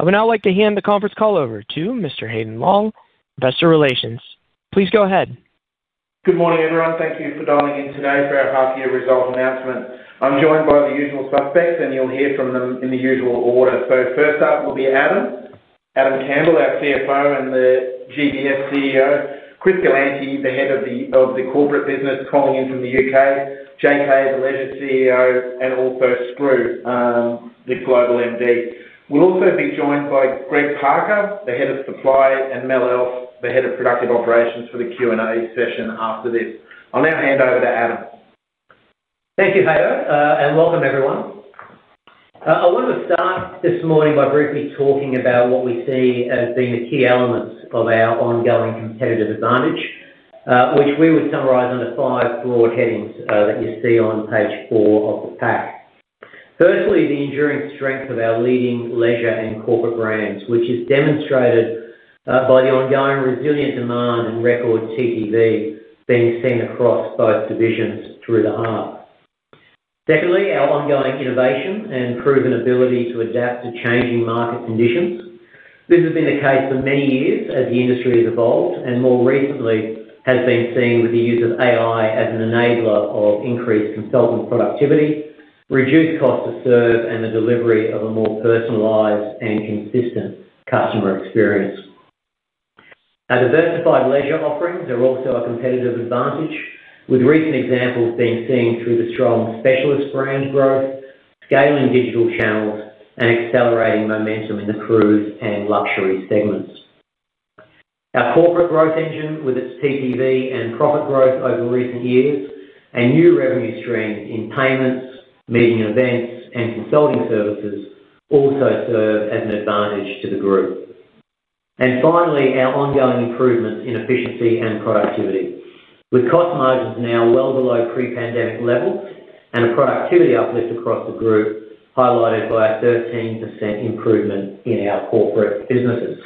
I would now like to hand the conference call over to Mr. Haydn Long, Investor Relations. Please go ahead. Good morning, everyone. Thank you for dialing in today for our half year result announcement. I'm joined by the usual suspects, and you'll hear from them in the usual order. First up will be Adam Campbell, our CFO, and the GDS CEO, Chris Galanty, the head of the corporate business, calling in from the U.K., J.K., the Leisure CEO, and also Skroo, the Global MD. We'll also be joined by Greg Parker, the Head of Supply, and Mel Elf, the Head of Productive Operations, for the Q&A session after this. I'll now hand over to Adam. Thank you, Haydn, and welcome everyone. I want to start this morning by briefly talking about what we see as being the key elements of our ongoing competitive advantage, which we would summarize under five broad headings, that you see on page 4 of the pack. Firstly, the enduring strength of our leading leisure and corporate brands, which is demonstrated by the ongoing resilient demand and record TPV being seen across both divisions through the half. Secondly, our ongoing innovation and proven ability to adapt to changing market conditions. This has been the case for many years as the industry has evolved, and more recently has been seen with the use of AI as an enabler of increased consultant productivity, reduced cost to serve, and the delivery of a more personalized and consistent customer experience. Our diversified leisure offerings are also a competitive advantage, with recent examples being seen through the strong specialist brand growth, scaling digital channels, and accelerating momentum in the cruise and luxury segments. Our corporate growth engine, with its TPV and profit growth over recent years, and new revenue streams in payments, meeting events, and consulting services, also serve as an advantage to the group. Finally, our ongoing improvements in efficiency and productivity, with cost margins now well below pre-pandemic levels and a productivity uplift across the group, highlighted by a 13% improvement in our corporate businesses.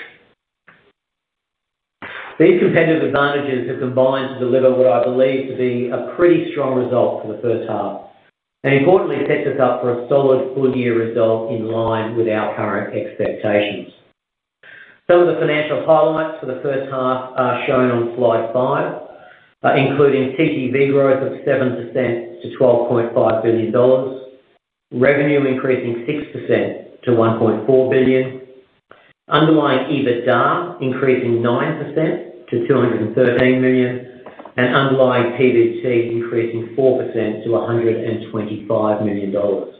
These competitive advantages have combined to deliver what I believe to be a pretty strong result for the first half, and importantly, sets us up for a solid full year result in line with our current expectations. Some of the financial highlights for the first half are shown on slide five, including TPV growth of 7% to 12.5 billion dollars, revenue increasing 6% to 1.4 billion, underlying EBITDA increasing 9% to 213 million, and underlying PBT increasing 4% to 125 million dollars.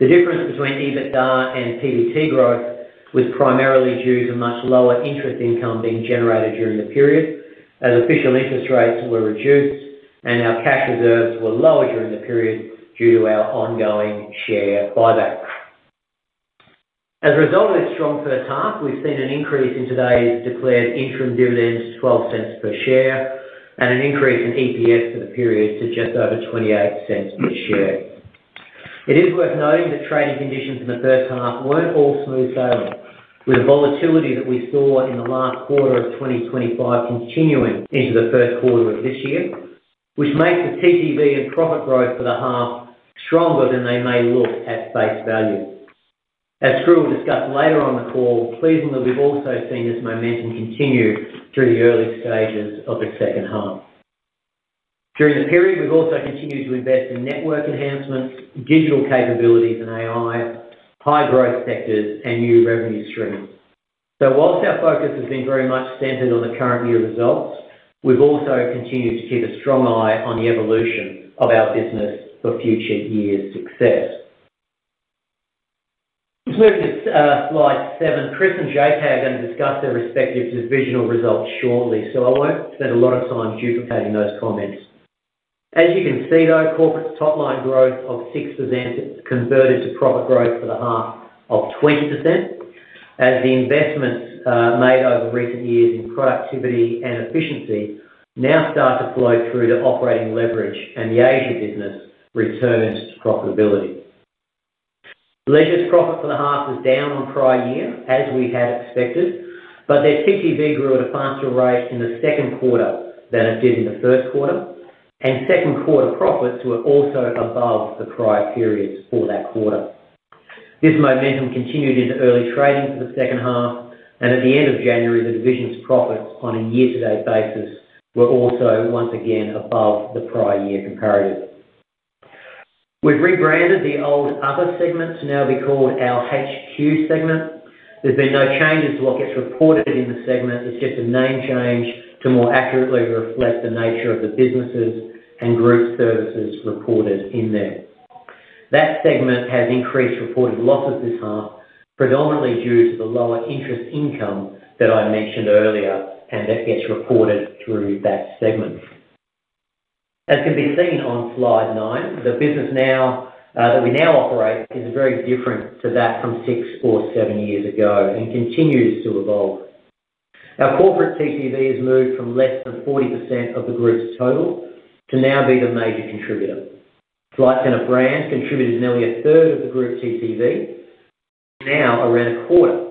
The difference between EBITDA and PBT growth was primarily due to much lower interest income being generated during the period, as official interest rates were reduced and our cash reserves were lower during the period due to our ongoing share buyback. As a result of this strong first half, we've seen an increase in today's declared interim dividends to AUD 0.12 per share, and an increase in EPS for the period to just over 0.28 per share. It is worth noting that trading conditions in the first half weren't all smooth sailing, with the volatility that we saw in the last quarter of 2025 continuing into the first quarter of this year, which makes the TPV and profit growth for the half stronger than they may look at face value. As Skroo will discuss later on the call, pleasingly, we've also seen this momentum continue through the early stages of the second half. During the period, we've also continued to invest in network enhancements, digital capabilities and AI, high growth sectors, and new revenue streams. Whilst our focus has been very much centered on the current year results, we've also continued to keep a strong eye on the evolution of our business for future years' success. Moving to slide 7. Chris Galanty and J.K. are going to discuss their respective divisional results shortly. I won't spend a lot of time duplicating those comments. As you can see, though, Corporate's top-line growth of 6% converted to profit growth for the half of 20%, as the investments made over recent years in productivity and efficiency now start to flow through to operating leverage and the Asia business returns to profitability. Leisure's profit for the half is down on prior year, as we had expected. Their TPV grew at a faster rate in the second quarter than it did in the first quarter, and second quarter profits were also above the prior periods for that quarter. This momentum continued into early trading for the second half. At the end of January, the division's profits on a year-to-date basis were also once again above the prior year comparatives. We've rebranded the old other segment to now be called our HQ segment. There's been no changes to what gets reported in the segment. It's just a name change to more accurately reflect the nature of the businesses and group services reported in there. That segment has increased reported losses this half, predominantly due to the lower interest income that I mentioned earlier, and that gets reported through that segment. As can be seen on slide 9, the business now that we now operate is very different to that from 6 or 7 years ago and continues to evolve. Our corporate TPV has moved from less than 40% of the group's total to now being the major contributor. Flight Centre brand contributed nearly a third of the group's TPV, now around a quarter.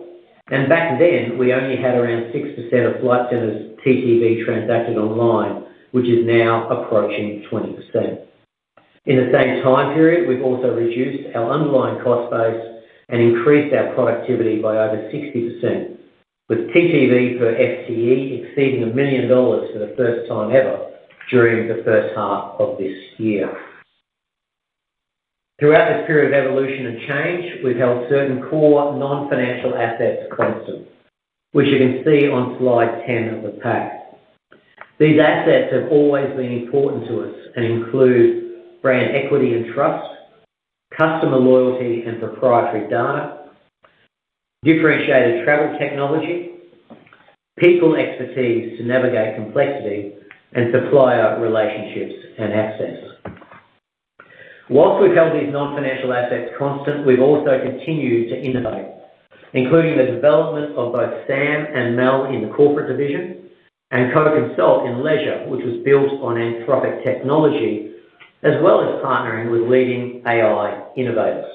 Back then, we only had around 6% of Flight Centre's TPV transacted online, which is now approaching 20%. In the same time period, we've also reduced our underlying cost base and increased our productivity by over 60%, with TTV per FTE exceeding 1 million dollars for the first time ever during the first half of this year. Throughout this period of evolution and change, we've held certain core non-financial assets constant, which you can see on slide 10 of the pack. These assets have always been important to us and include brand equity and trust, customer loyalty and proprietary data, differentiated travel technology, people expertise to navigate complexity, and supplier relationships and access. Whilst we've held these non-financial assets constant, we've also continued to innovate, including the development of both Sam and Mel in the corporate division and CoConsult in leisure, which was built on Anthropic technology, as well as partnering with leading AI innovators.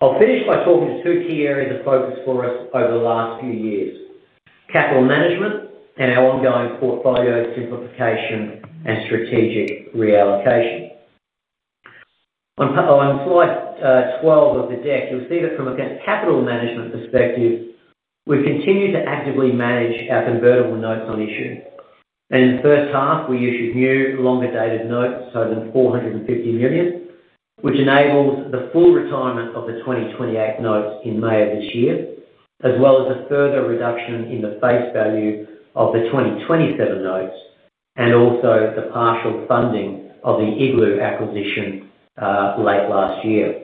I'll finish by talking two key areas of focus for us over the last few years: capital management and our ongoing portfolio simplification and strategic reallocation. On slide 12 of the deck, you'll see that from a capital management perspective, we've continued to actively manage our convertible notes on issue. In the first half, we issued new longer-dated notes, 450 million, which enabled the full retirement of the 2028 notes in May of this year, as well as a further reduction in the face value of the 2027 notes, and also the partial funding of the Iglu acquisition late last year.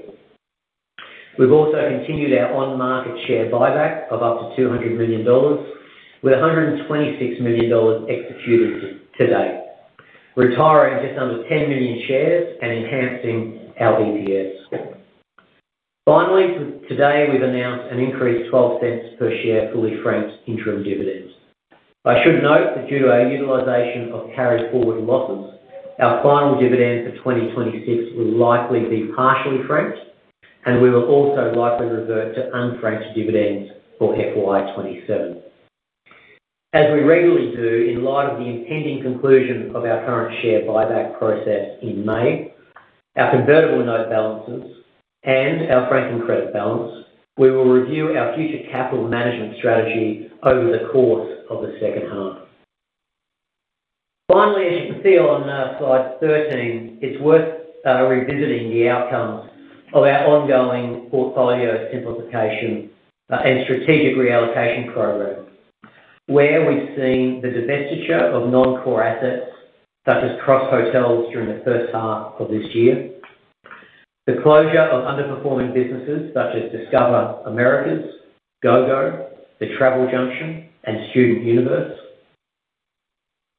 We've also continued our on-market share buyback of up to 200 million dollars, with 126 million dollars executed to date, retiring just under 10 million shares and enhancing our EPS. Finally, today, we've announced an increased 0.12 per share, fully franked interim dividend. I should note that due to our utilization of carry forward losses, our final dividend for 2026 will likely be partially franked, and we will also likely revert to unfranked dividends for FY 2027. As we regularly do, in light of the impending conclusion of our current share buyback process in May, our convertible note balances and our franking credit balance, we will review our future capital management strategy over the course of the second half. As you can see on slide 13, it's worth revisiting the outcomes of our ongoing portfolio simplification and strategic reallocation program, where we've seen the divestiture of non-core assets such as Cross Hotels during the first half of this year. The closure of underperforming businesses such as Discover Americas, Gogo, The Travel Junction, and StudentUniverse.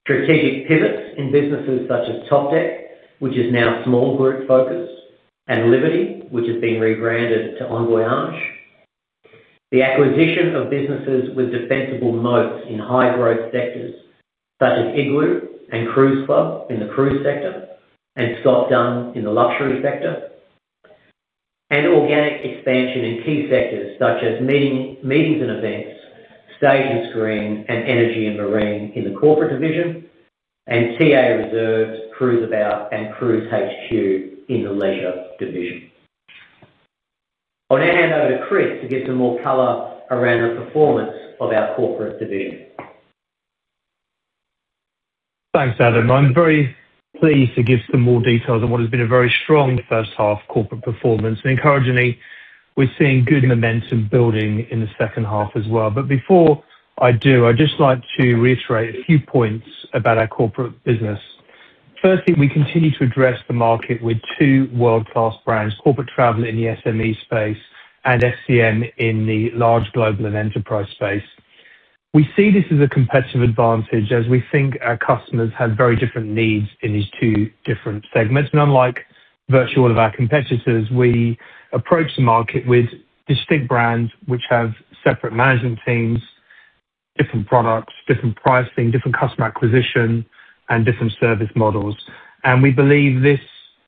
Strategic pivots in businesses such as Topdeck, which is now small group-focused, and Liberty, which has been rebranded to Envoy Orange. The acquisition of businesses with defensible moats in high growth sectors such as Iglu and Cruise Club in the cruise sector, and Scott Dunn in the luxury sector. Organic expansion in key sectors such as meetings and events, Stage and Screen, and energy and marine in the corporate division, and TA Reserves, Cruiseabout and CruiseHQ in the leisure division. I'll now hand over to Chris to give some more color around the performance of our corporate division. Thanks, Adam. I'm very pleased to give some more details on what has been a very strong first half corporate performance, and encouragingly, we're seeing good momentum building in the second half as well. Before I do, I'd just like to reiterate a few points about our corporate business. Firstly, we continue to address the market with two world-class brands, Corporate Traveller in the SME space and SCM in the large global and enterprise space. We see this as a competitive advantage, as we think our customers have very different needs in these two different segments. Unlike virtually all of our competitors, we approach the market with distinct brands, which have separate management teams, different products, different pricing, different customer acquisition, and different service models. We believe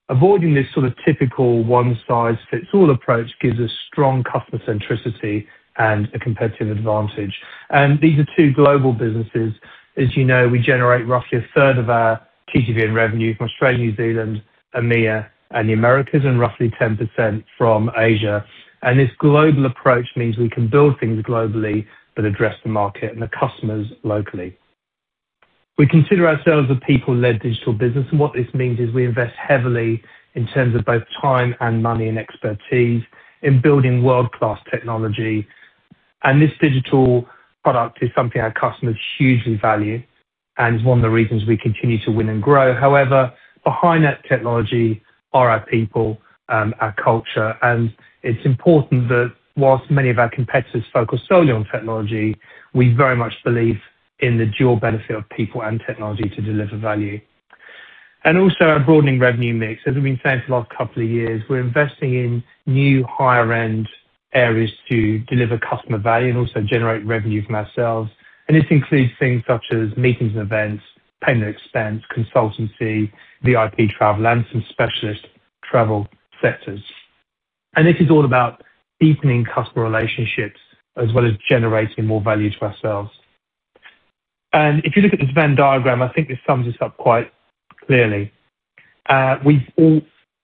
avoiding this sort of typical one-size-fits-all approach gives us strong customer centricity and a competitive advantage. These are two global businesses. As you know, we generate roughly a third of our TTV and revenue from Australia, New Zealand, EMEA, and the Americas, and roughly 10% from Asia. This global approach means we can build things globally, but address the market and the customers locally. We consider ourselves a people-led digital business, and what this means is we invest heavily in terms of both time and money and expertise in building world-class technology. This digital product is something our customers hugely value and is one of the reasons we continue to win and grow. However, behind that technology are our people, our culture, and it's important that whilst many of our competitors focus solely on technology, we very much believe in the dual benefit of people and technology to deliver value. Also a broadening revenue mix. As we've been saying for the last couple of years, we're investing in new higher-end areas to deliver customer value and also generate revenue from ourselves. This includes things such as meetings and events, payment expense, consultancy, VIP travel, and some specialist travel sectors. This is all about deepening customer relationships as well as generating more value to ourselves. If you look at this Venn diagram, I think this sums this up quite clearly. We've all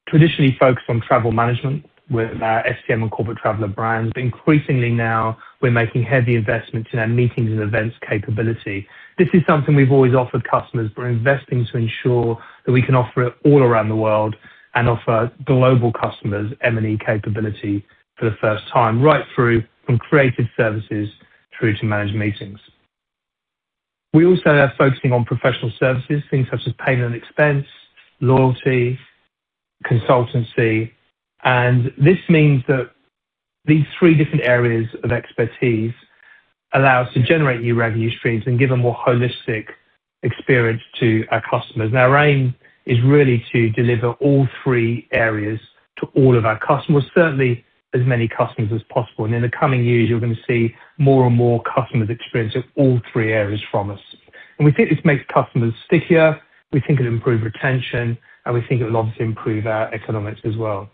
traditionally focused on travel management with our SCM and Corporate Traveller brands. Increasingly now, we're making heavy investments in our meetings and events capability. This is something we've always offered customers. We're investing to ensure that we can offer it all around the world and offer global customers M&E capability for the first time, right through from creative services through to managed meetings. We also are focusing on professional services, things such as payment and expense, loyalty, consultancy. This means that these three different areas of expertise allow us to generate new revenue streams and give a more holistic experience to our customers. Our aim is really to deliver all three areas to all of our customers, certainly as many customers as possible. In the coming years, you're going to see more and more customers experience all three areas from us. We think this makes customers stickier, we think it improves retention, and we think it will obviously improve our economics as well.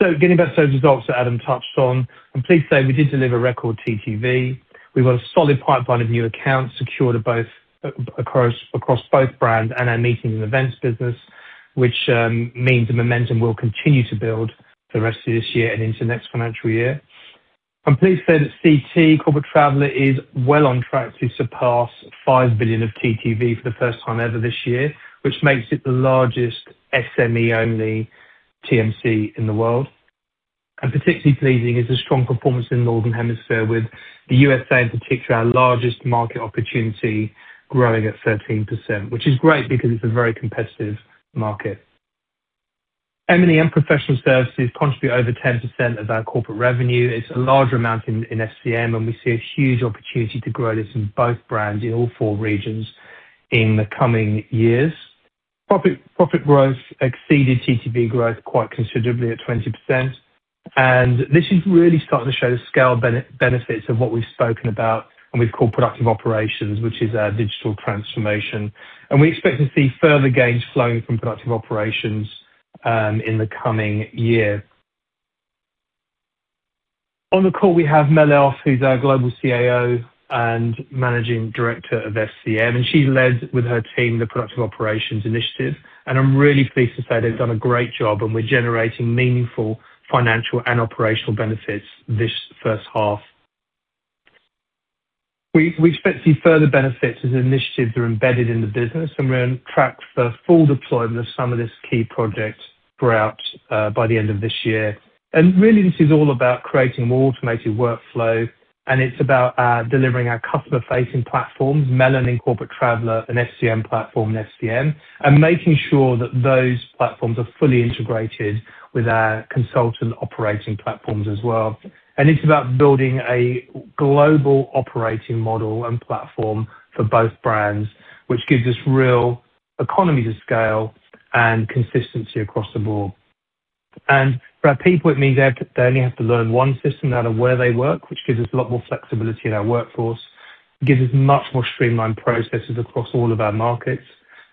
Getting back to those results that Adam touched on, I'm pleased to say we did deliver record TTV. We've got a solid pipeline of new accounts secured at both across both brand and our meetings and events business, which means the momentum will continue to build for the rest of this year and into the next financial year. I'm pleased to say that CT, Corporate Traveller, is well on track to surpass 5 billion of TTV for the first time ever this year, which makes it the largest SME-only TMC in the world. Particularly pleasing is the strong performance in Northern Hemisphere, with the USA in particular, our largest market opportunity, growing at 13%, which is great because it's a very competitive market. M&E and professional services contribute over 10% of our corporate revenue. It's a larger amount in SCM, and we see a huge opportunity to grow this in both brands in all four regions in the coming years. Profit growth exceeded TTV growth quite considerably at 20%, this is really starting to show the scale benefits of what we've spoken about and we've called Productive Operations, which is our digital transformation. We expect to see further gains flowing from Productive Operations in the coming year. On the call, we have Mel Elf, who's our Global CIO and Managing Director of SCM, she led with her team, the Productive Operations initiative. I'm really pleased to say they've done a great job, and we're generating meaningful financial and operational benefits this first half. We expect to see further benefits as initiatives are embedded in the business, we're on track for full deployment of some of this key projects throughout by the end of this year. Really, this is all about creating more automated workflow, and it's about delivering our customer-facing platforms, Melon in Corporate Traveller and SCM platform in SCM, and making sure that those platforms are fully integrated with our consultant operating platforms as well. It's about building a global operating model and platform for both brands, which gives us real economies of scale and consistency across the board. For our people, it means they only have to learn one system no matter where they work, which gives us a lot more flexibility in our workforce. It gives us much more streamlined processes across all of our markets.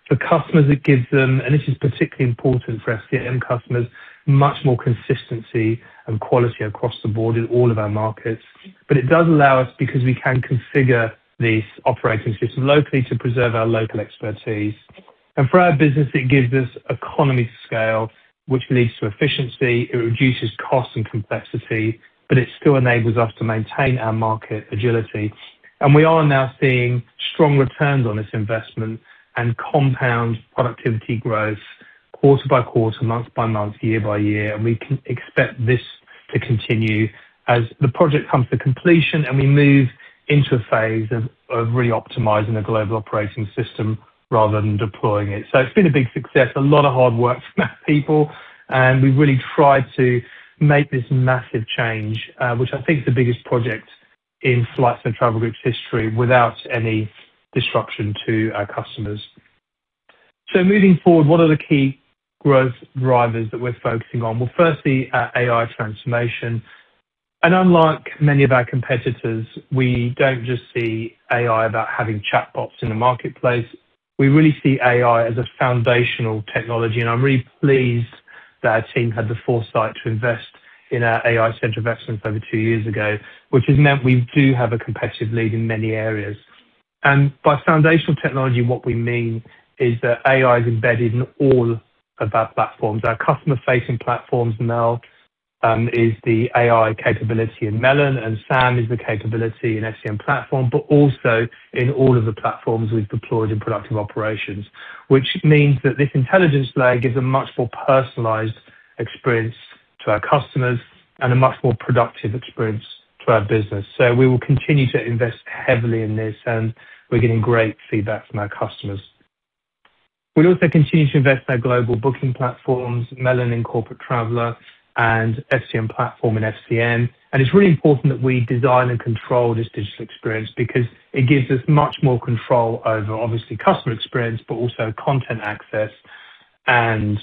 For customers, it gives them, and this is particularly important for SCM customers, much more consistency and quality across the board in all of our markets. It does allow us, because we can configure these operating systems locally, to preserve our local expertise. For our business, it gives us economy of scale, which leads to efficiency. It reduces costs and complexity, but it still enables us to maintain our market agility. We are now seeing strong returns on this investment and compound productivity growth quarter by quarter, month by month, year by year. We can expect this to continue as the project comes to completion and we move into a phase of reoptimizing a global operating system rather than deploying it. It's been a big success, a lot of hard work from our people, and we've really tried to make this massive change, which I think is the biggest project in Flight Centre Travel Group's history, without any disruption to our customers. Moving forward, what are the key growth drivers that we're focusing on? Well, firstly, our AI transformation, and unlike many of our competitors, we don't just see AI about having chatbots in the marketplace. We really see AI as a foundational technology, and I'm really pleased that our team had the foresight to invest in our AI Center of Excellence over 2 years ago, which has meant we do have a competitive lead in many areas. By foundational technology, what we mean is that AI is embedded in all of our platforms. Our customer-facing platforms now is the AI capability in Melon, and Sam is the capability in SCM platform, but also in all of the platforms we've deployed in Productive Operations, which means that this intelligence layer gives a much more personalized experience to our customers and a much more productive experience to our business. We will continue to invest heavily in this, and we're getting great feedback from our customers. We'll also continue to invest in our global booking platforms, Melon in Corporate Traveller and SCM platform in SCM. It's really important that we design and control this digital experience because it gives us much more control over, obviously, customer experience, but also content access and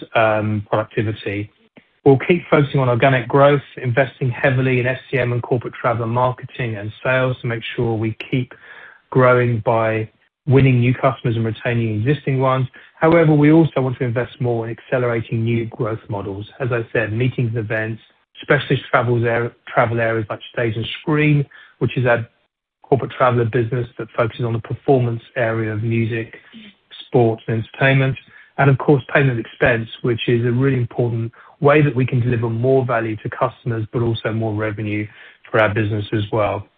productivity. We'll keep focusing on organic growth, investing heavily in SCM and corporate travel, marketing and sales to make sure we keep growing by winning new customers and retaining existing ones. However, we also want to invest more in accelerating new growth models. As I said, meetings and events, specialist travels travel areas like Stage and Screen, which is our Corporate Traveller business that focuses on the performance area of music, sports, and entertainment, and of course, payment expense, which is a really important way that we can deliver more value to customers, but also more revenue for our business as well.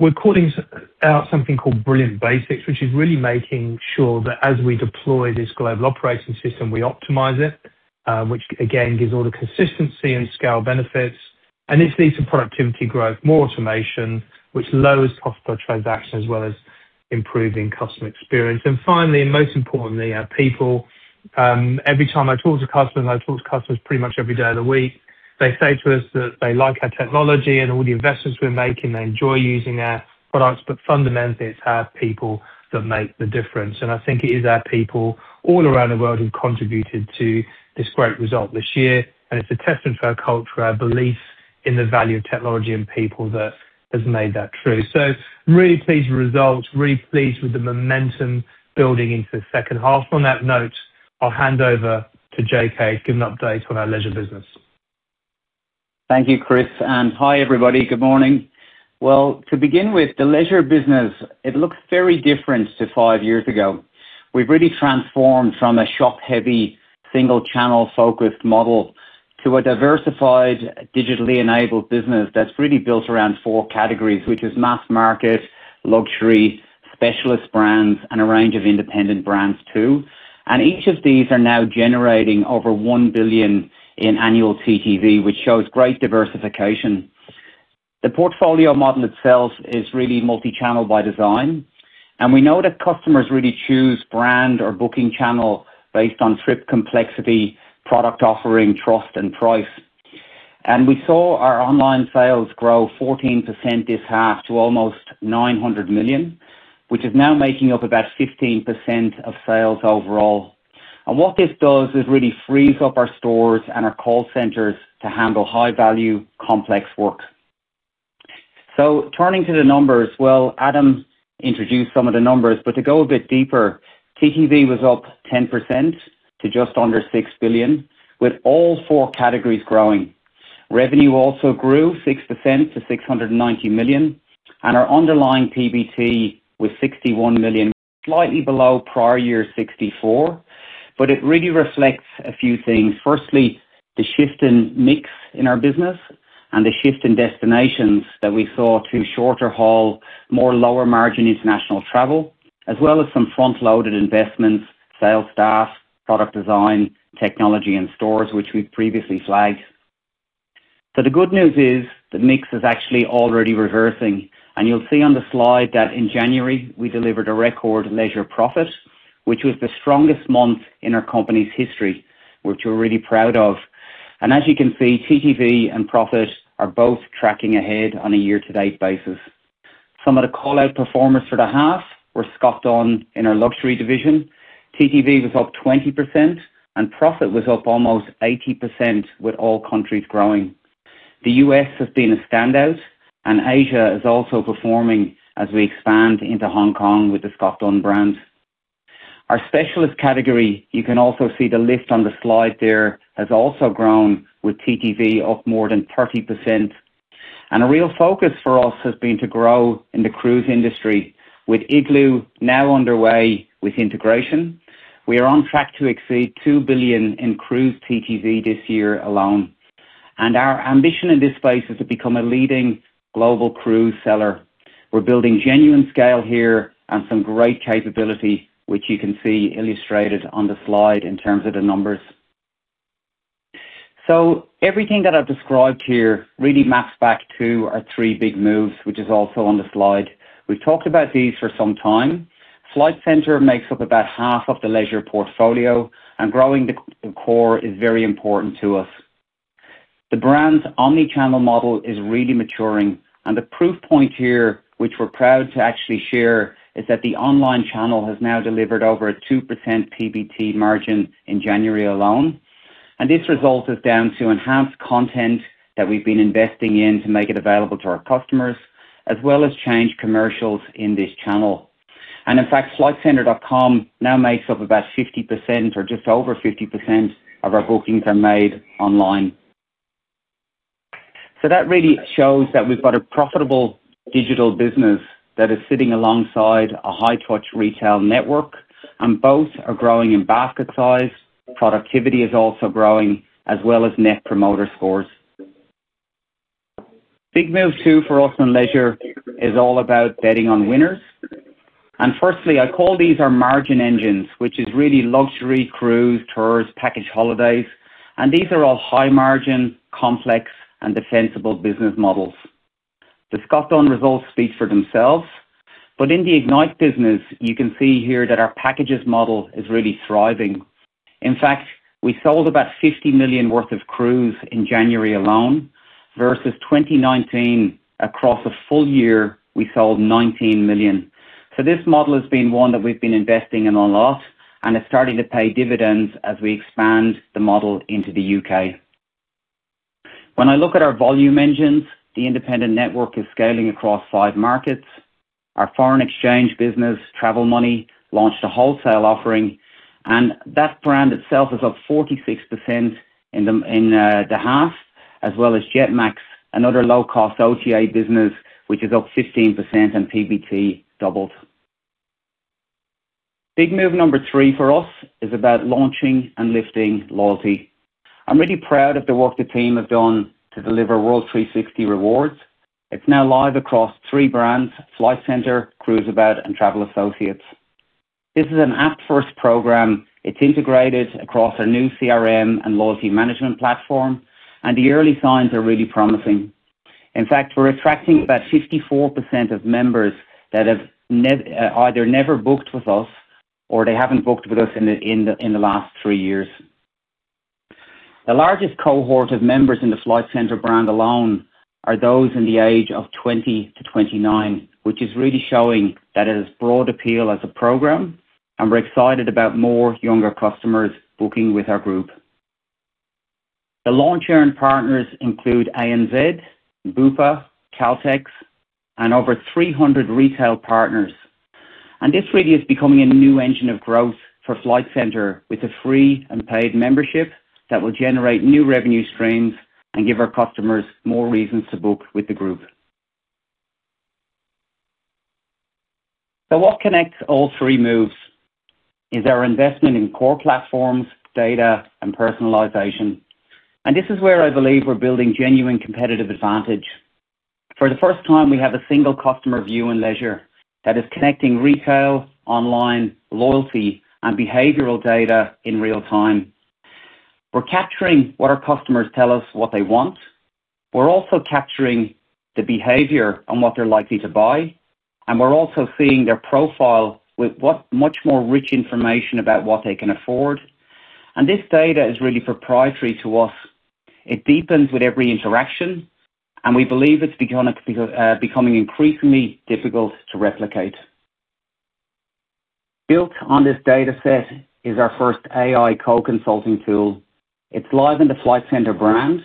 We're calling out something called Brilliant Basics, which is really making sure that as we deploy this global operating system, we optimize it, which again, gives all the consistency and scale benefits, and this leads to productivity growth, more automation, which lowers cost per transaction, as well as improving customer experience. Finally, and most importantly, our people. Every time I talk to customers, and I talk to customers pretty much every day of the week, they say to us that they like our technology and all the investments we're making. They enjoy using our products, but fundamentally, it's our people that make the difference. I think it is our people all around the world who contributed to this great result this year, and it's a testament to our culture, our belief in the value of technology and people that has made that true. I'm really pleased with the results, really pleased with the momentum building into the second half. On that note, I'll hand over to J.K. to give an update on our leisure business. Thank you, Chris. Hi, everybody. Good morning. Well, to begin with, the leisure business, it looks very different to 5 years ago. We've really transformed from a shop-heavy, single channel-focused model to a diversified, digitally enabled business that's really built around 4 categories, which is mass market, luxury, specialist brands, and a range of independent brands, too. Each of these are now generating over 1 billion in annual TTV, which shows great diversification. The portfolio model itself is really multi-channel by design, and we know that customers really choose brand or booking channel based on trip complexity, product offering, trust, and price. We saw our online sales grow 14% this half to almost 900 million, which is now making up about 15% of sales overall. What this does is really frees up our stores and our call centers to handle high-value, complex work. Turning to the numbers, well, Adam introduced some of the numbers, but to go a bit deeper, TTV was up 10% to just under 6 billion, with all 4 categories growing. Revenue also grew 6% to 690 million, and our underlying PBT was 61 million, slightly below prior year's 64 million, but it really reflects a few things. Firstly, the shift in mix in our business and the shift in destinations that we saw through shorter haul, more lower-margin international travel, as well as some front-loaded investments, sales staff, product design, technology, and stores, which we've previously flagged. The good news is, the mix is actually already reversing, and you'll see on the slide that in January, we delivered a record leisure profit, which was the strongest month in our company's history, which we're really proud of. As you can see, TTV and profit are both tracking ahead on a year-to-date basis. Some of the call-out performers for the half were Scott Dunn in our luxury division. TTV was up 20%, and profit was up almost 80%, with all countries growing. The US has been a standout, and Asia is also performing as we expand into Hong Kong with the Scott Dunn brand. Our specialist category, you can also see the list on the slide there, has also grown with TTV up more than 30%. A real focus for us has been to grow in the cruise industry. With Iglu now underway with integration, we are on track to exceed 2 billion in cruise TTV this year alone, and our ambition in this space is to become a leading global cruise seller. We're building genuine scale here and some great capability, which you can see illustrated on the slide in terms of the numbers. Everything that I've described here really maps back to our three big moves, which is also on the slide. We've talked about these for some time. Flight Centre makes up about half of the leisure portfolio, and growing the core is very important to us. The brand's omni-channel model is really maturing, and the proof point here, which we're proud to actually share, is that the online channel has now delivered over a 2% PBT margin in January alone. This result is down to enhanced content that we've been investing in to make it available to our customers, as well as change commercials in this channel. In fact, flightcentre.com now makes up about 50%, or just over 50% of our bookings are made online. That really shows that we've got a profitable digital business that is sitting alongside a high-touch retail network, and both are growing in basket size. Productivity is also growing, as well as Net Promoter Scores. Big move 2 for us in leisure is all about betting on winners. Firstly, I call these our margin engines, which is really luxury, cruise, tours, package holidays, and these are all high-margin, complex, and defensible business models. The Scott Dunn results speak for themselves, but in the Ignite business, you can see here that our packages model is really thriving. In fact, we sold about 50 million worth of cruise in January alone, versus 2019, across a full year, we sold 19 million. This model has been one that we've been investing in a lot, and it's starting to pay dividends as we expand the model into the UK. When I look at our volume engines, the independent network is scaling across five markets. Our foreign exchange business, Travel Money, launched a wholesale offering, and that brand itself is up 46% in the half, as well as Jetmax, another low-cost OTA business, which is up 15% and PBT doubled. Big move number three for us is about launching and lifting loyalty. I'm really proud of the work the team have done to deliver WorldThreeSixty Rewards. It's now live across three brands: Flight Centre, Cruiseabout, and Travel Associates. This is an app-first program. It's integrated across a new CRM and loyalty management platform, and the early signs are really promising. In fact, we're attracting about 54% of members that have either never booked with us or they haven't booked with us in the last three years. The largest cohort of members in the Flight Centre brand alone are those in the age of 20 to 29, which is really showing that it has broad appeal as a program, we're excited about more younger customers booking with our group. The launch partners include ANZ, Bupa, Caltex, and over 300 retail partners. This really is becoming a new engine of growth for Flight Centre, with a free and paid membership that will generate new revenue streams and give our customers more reasons to book with the group. What connects all three moves is our investment in core platforms, data, and personalization, and this is where I believe we're building genuine competitive advantage. For the first time, we have a single customer view in leisure that is connecting retail, online, loyalty, and behavioral data in real time. We're capturing what our customers tell us what they want. We're also capturing the behavior on what they're likely to buy, and we're also seeing their profile with what much more rich information about what they can afford. This data is really proprietary to us. It deepens with every interaction, and we believe it's becoming increasingly difficult to replicate. Built on this dataset is our first AI co-consulting tool. It's live in the Flight Centre brand,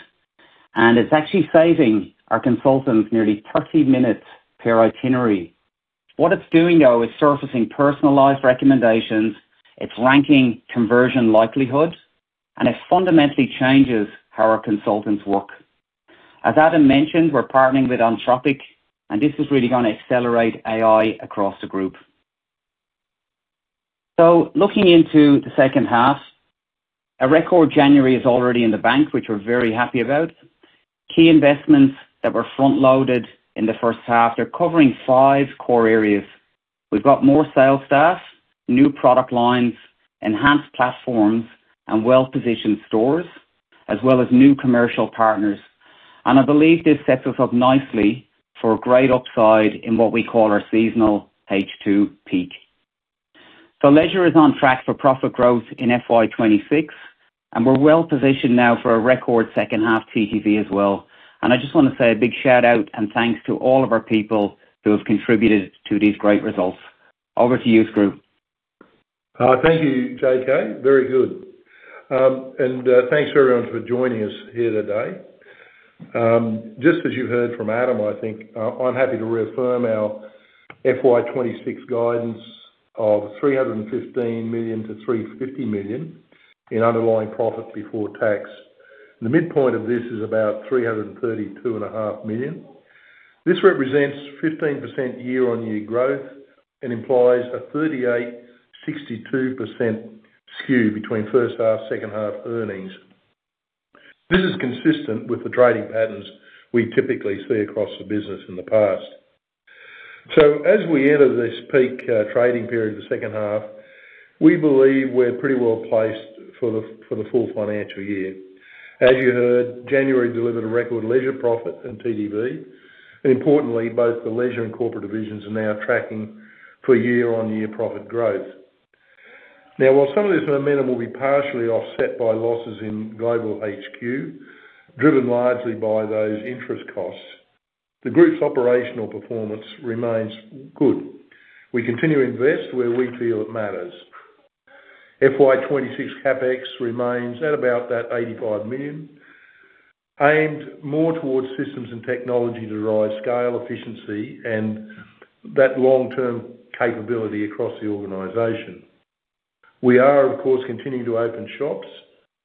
and it's actually saving our consultants nearly 30 minutes per itinerary. What it's doing, though, is surfacing personalized recommendations, it's ranking conversion likelihoods, and it fundamentally changes how our consultants work. As Adam mentioned, we're partnering with Anthropic, this is really going to accelerate AI across the group. Looking into the second half, a record January is already in the bank, which we're very happy about. Key investments that were front-loaded in the first half are covering 5 core areas. We've got more sales staff, new product lines, enhanced platforms, and well-positioned stores, as well as new commercial partners. I believe this sets us up nicely for a great upside in what we call our seasonal H2 peak. Leisure is on track for profit growth in FY 26, and we're well positioned now for a record second half TTV as well. I just want to say a big shout-out and thanks to all of our people who have contributed to these great results. Over to you, Skroo. Thank you, JK. Very good. Thanks, everyone, for joining us here today. Just as you heard from Adam, I think, I'm happy to reaffirm our FY26 guidance of 315 million-350 million in underlying profits before tax. The midpoint of this is about 332 and a half million. This represents 15% year-on-year growth and implies a 38%, 62% skew between first half, second half earnings. This is consistent with the trading patterns we typically see across the business in the past. As we enter this peak, trading period, the second half, we believe we're pretty well placed for the full financial year. As you heard, January delivered a record leisure profit in TTV, and importantly, both the leisure and corporate divisions are now tracking for year-on-year profit growth. While some of this momentum will be partially offset by losses in global HQ, driven largely by those interest costs, the group's operational performance remains good. We continue to invest where we feel it matters. FY 2026 CapEx remains at about that 85 million, aimed more towards systems and technology to drive scale, efficiency, and that long-term capability across the organization. We are, of course, continuing to open shops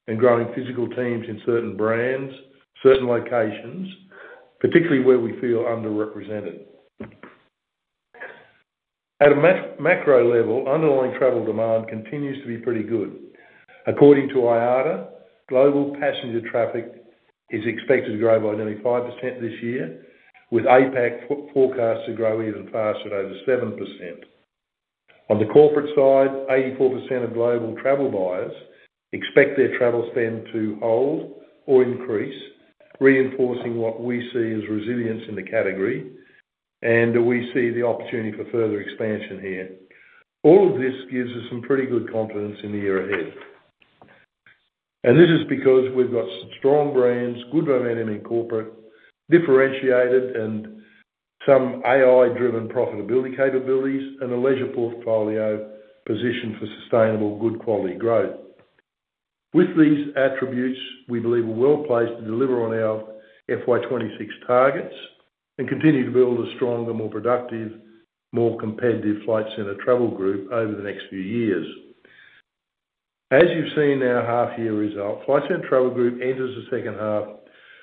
and growing physical teams in certain brands, certain locations, particularly where we feel underrepresented. At a macro level, underlying travel demand continues to be pretty good. According to IATA, global passenger traffic is expected to grow by nearly 5% this year, with APAC forecast to grow even faster at over 7%. On the corporate side, 84% of global travel buyers expect their travel spend to hold or increase, reinforcing what we see as resilience in the category, and we see the opportunity for further expansion here. All of this gives us some pretty good confidence in the year ahead. This is because we've got strong brands, good momentum in corporate, differentiated some AI-driven profitability capabilities and a leisure portfolio positioned for sustainable, good quality growth. With these attributes, we believe we're well-placed to deliver on our FY26 targets and continue to build a stronger, more productive, more competitive Flight Centre Travel Group over the next few years. As you've seen in our half-year results, Flight Centre Travel Group enters the second half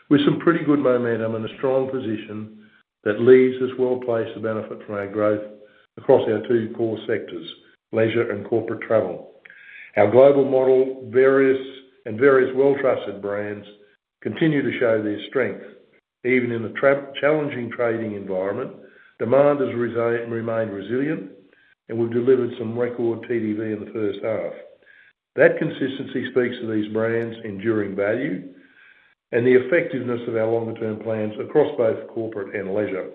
with some pretty good momentum and a strong position that leaves us well-placed to benefit from our growth across our two core sectors, leisure and corporate travel. Our global model, and various well-trusted brands continue to show their strength. Even in a challenging trading environment, demand has remained resilient, and we've delivered some record TTV in the first half. That consistency speaks to these brands' enduring value and the effectiveness of our longer-term plans across both corporate and leisure.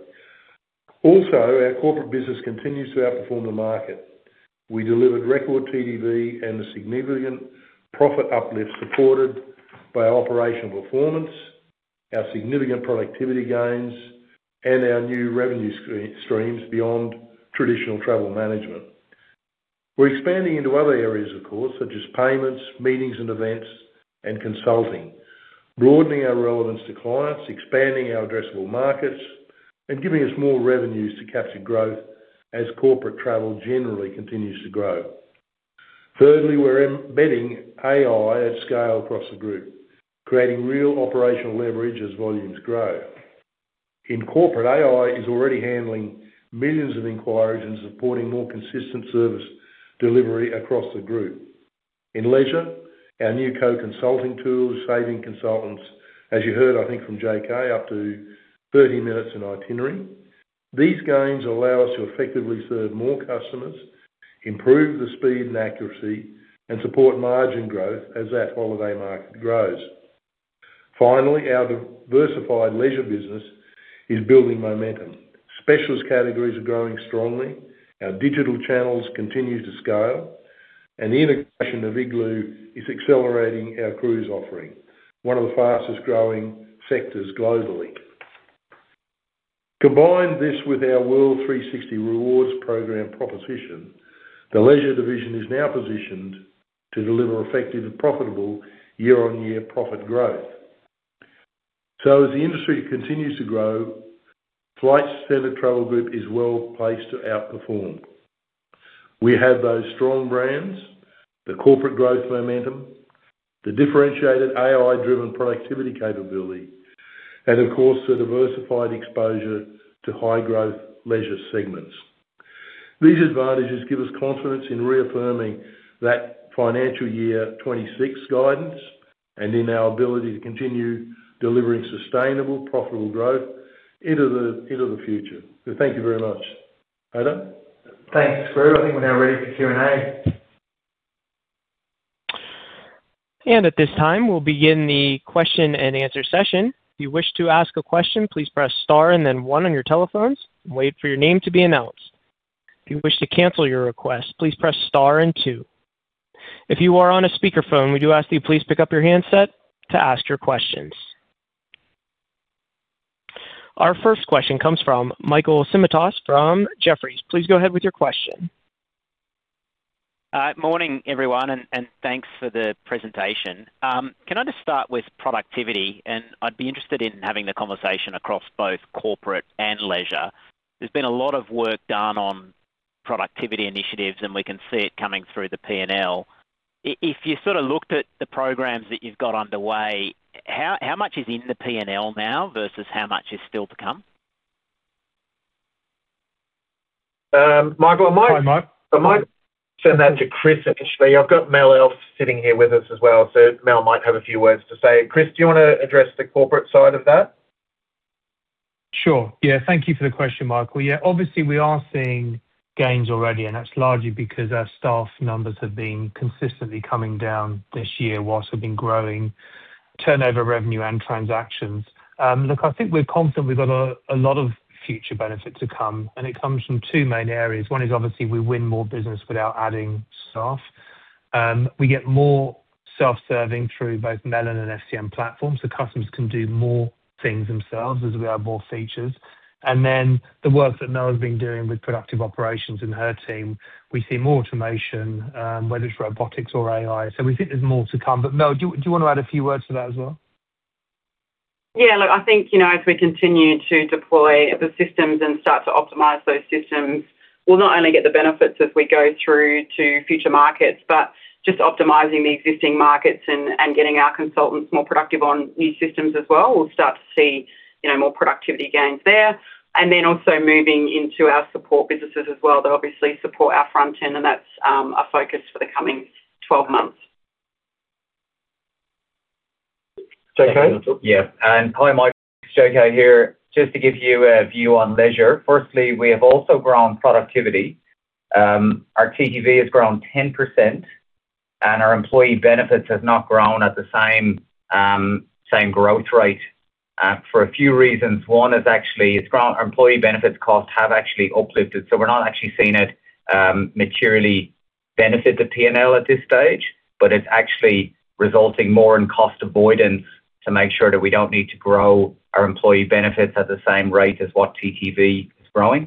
Our corporate business continues to outperform the market. We delivered record TTV and a significant profit uplift, supported by our operational performance, our significant productivity gains, and our new revenue streams beyond traditional travel management. We're expanding into other areas, of course, such as payments, meetings and events, and consulting, broadening our relevance to clients, expanding our addressable markets, and giving us more revenues to capture growth as corporate travel generally continues to grow. Thirdly, we're embedding AI at scale across the group, creating real operational leverage as volumes grow. In corporate, AI is already handling millions of inquiries and supporting more consistent service delivery across the group. In leisure, our new CoConsult tools, saving consultants, as you heard, I think, from J.K., up to 30 minutes an itinerary. These gains allow us to effectively serve more customers, improve the speed and accuracy, and support margin growth as that holiday market grows. Finally, our diversified leisure business is building momentum. Specialist categories are growing strongly, our digital channels continue to scale, the integration of Iglu is accelerating our cruise offering, one of the fastest-growing sectors globally. Combine this with our WorldThreeSixty Rewards program proposition, the leisure division is now positioned to deliver effective and profitable year-on-year profit growth. As the industry continues to grow, Flight Centre Travel Group is well placed to outperform. We have those strong brands, the corporate growth momentum, the differentiated AI-driven productivity capability, and of course, the diversified exposure to high-growth leisure segments. These advantages give us confidence in reaffirming that financial year 26 guidance and in our ability to continue delivering sustainable, profitable growth into the future. Thank you very much. Adam? Thanks, Skroo. I think we're now ready for Q&A. At this time, we'll begin the question-and-answer session. If you wish to ask a question, please press star and then 1 on your telephones and wait for your name to be announced. If you wish to cancel your request, please press star and 2. If you are on a speakerphone, we do ask that you please pick up your handset to ask your questions. Our first question comes from Michael Simotas from Jefferies. Please go ahead with your question. Morning, everyone, and thanks for the presentation. Can I just start with productivity? I'd be interested in having the conversation across both corporate and leisure. There's been a lot of work done on productivity initiatives, and we can see it coming through the P&L. If you sort of looked at the programs that you've got underway, how much is in the P&L now versus how much is still to come? Michael, I might- Hi, Mike. I might send that to Chris initially. I've got Mel Else sitting here with us as well, so Mel might have a few words to say. Chris, do you want to address the corporate side of that? Thank you for the question, Michael. Obviously, we are seeing gains already, and that's largely because our staff numbers have been consistently coming down this year, while we've been growing turnover, revenue, and transactions. Look, I think we're confident we've got a lot of future benefit to come, and it comes from 2 main areas. One is, obviously, we win more business without adding staff. We get more self-serving through both Melon and FCM platforms, so customers can do more things themselves as we add more features. The work that Mel has been doing with Productive Operations and her team, we see more automation, whether it's robotics or AI. We think there's more to come, but, Mel, do you want to add a few words to that as well? Yeah, look, I think, you know, as we continue to deploy the systems and start to optimize those systems, we'll not only get the benefits as we go through to future markets, but just optimizing the existing markets and getting our consultants more productive on new systems as well. We'll start to see, you know, more productivity gains there, and then also moving into our support businesses as well. They'll obviously support our front end, and that's our focus for the coming 12 months. JK? Yeah. Hi, Michael Simotas, J.K. here. Just to give you a view on leisure. Firstly, we have also grown productivity. Our TTV has grown 10%, and our employee benefits has not grown at the same growth rate, for a few reasons. One is actually, our employee benefits costs have actually uplifted, so we're not actually seeing it, materially-.... benefit the PNL at this stage, but it's actually resulting more in cost avoidance to make sure that we don't need to grow our employee benefits at the same rate as what TTV is growing.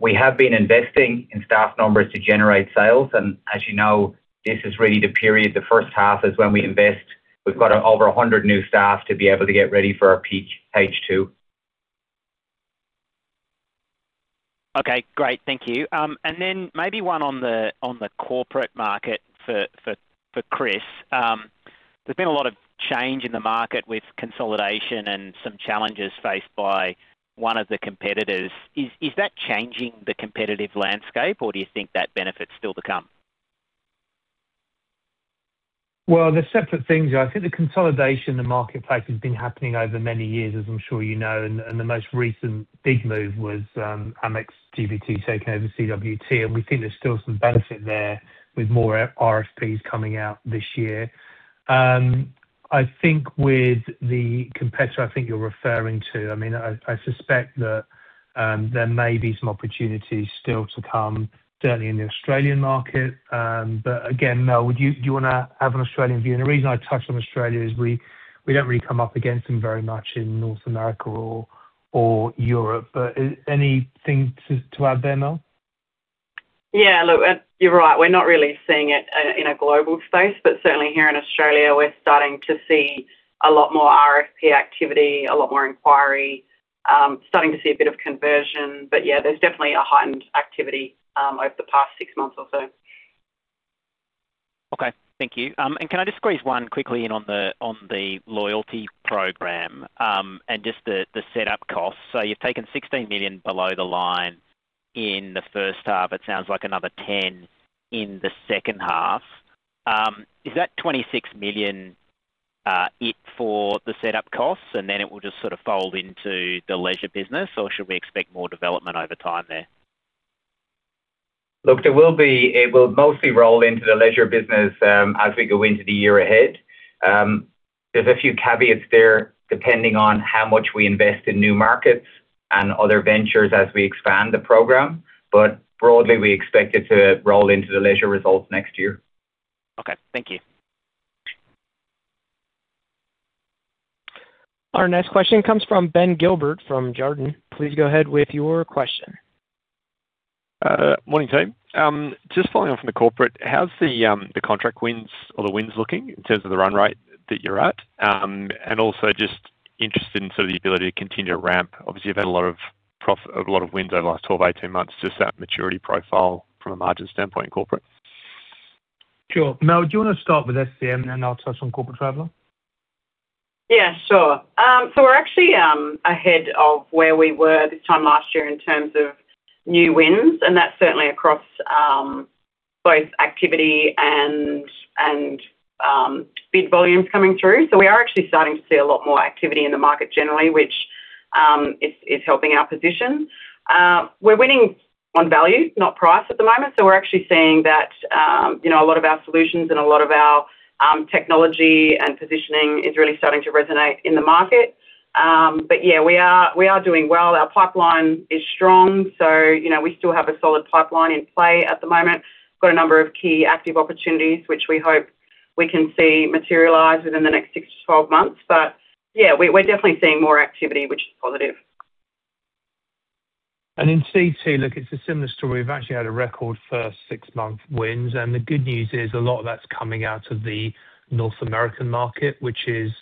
We have been investing in staff numbers to generate sales, and as you know, this is really the period. The first half is when we invest. We've got over 100 new staff to be able to get ready for our peak H2. Okay, great. Thank you. Maybe one on the corporate market for Chris. There's been a lot of change in the market with consolidation and some challenges faced by one of the competitors. Is that changing the competitive landscape, or do you think that benefit's still to come? Well, they're separate things. I think the consolidation in the marketplace has been happening over many years, as I'm sure you know. The most recent big move was Amex GBT taking over CWT, and we think there's still some benefit there with more RFPs coming out this year. I think with the competitor, I think you're referring to, I mean, I suspect that there may be some opportunities still to come, certainly in the Australian market. Again, Mel, do you wanna have an Australian view? The reason I touch on Australia is we don't really come up against them very much in North America or Europe. Is anything to add there, Mel? Yeah, look, you're right. We're not really seeing it, in a global space, but certainly here in Australia, we're starting to see a lot more RFP activity, a lot more inquiry, starting to see a bit of conversion. Yeah, there's definitely a heightened activity, over the past six months or so. Okay, thank you. Can I just squeeze one quickly in on the, on the loyalty program, and just the setup costs? You've taken 16 million below the line in the first half. It sounds like another 10 million in the second half. Is that 26 million it for the setup costs, and then it will just sort of fold into the leisure business, or should we expect more development over time there? Look, it will mostly roll into the leisure business, as we go into the year ahead. There's a few caveats there, depending on how much we invest in new markets and other ventures as we expand the program, broadly, we expect it to roll into the leisure results next year. Okay, thank you. Our next question comes from Ben Gilbert, from Jarden. Please go ahead with your question. Morning, team. Just following on from the corporate, how's the contract wins or the wins looking in terms of the run rate that you're at? Also just interested in sort of the ability to continue to ramp. Obviously, you've had a lot of wins over the last 12, 18 months, just that maturity profile from a margin standpoint in corporate. Sure. Mel, do you want to start with FCM, and then I'll touch on Corporate Traveller? Yeah, sure. We're actually ahead of where we were this time last year in terms of new wins, and that's certainly across both activity and bid volume coming through. We are actually starting to see a lot more activity in the market generally, which is helping our position. We're winning on value, not price at the moment. We're actually seeing that, you know, a lot of our solutions and a lot of our technology and positioning is really starting to resonate in the market. Yeah, we are doing well. Our pipeline is strong, so, you know, we still have a solid pipeline in play at the moment. Got a number of key active opportunities, which we hope we can see materialize within the next 6-12 months. Yeah, we're definitely seeing more activity, which is positive. In CT, look, it's a similar story. We've actually had a record first 6-month wins, and the good news is a lot of that's coming out of the North American market, which is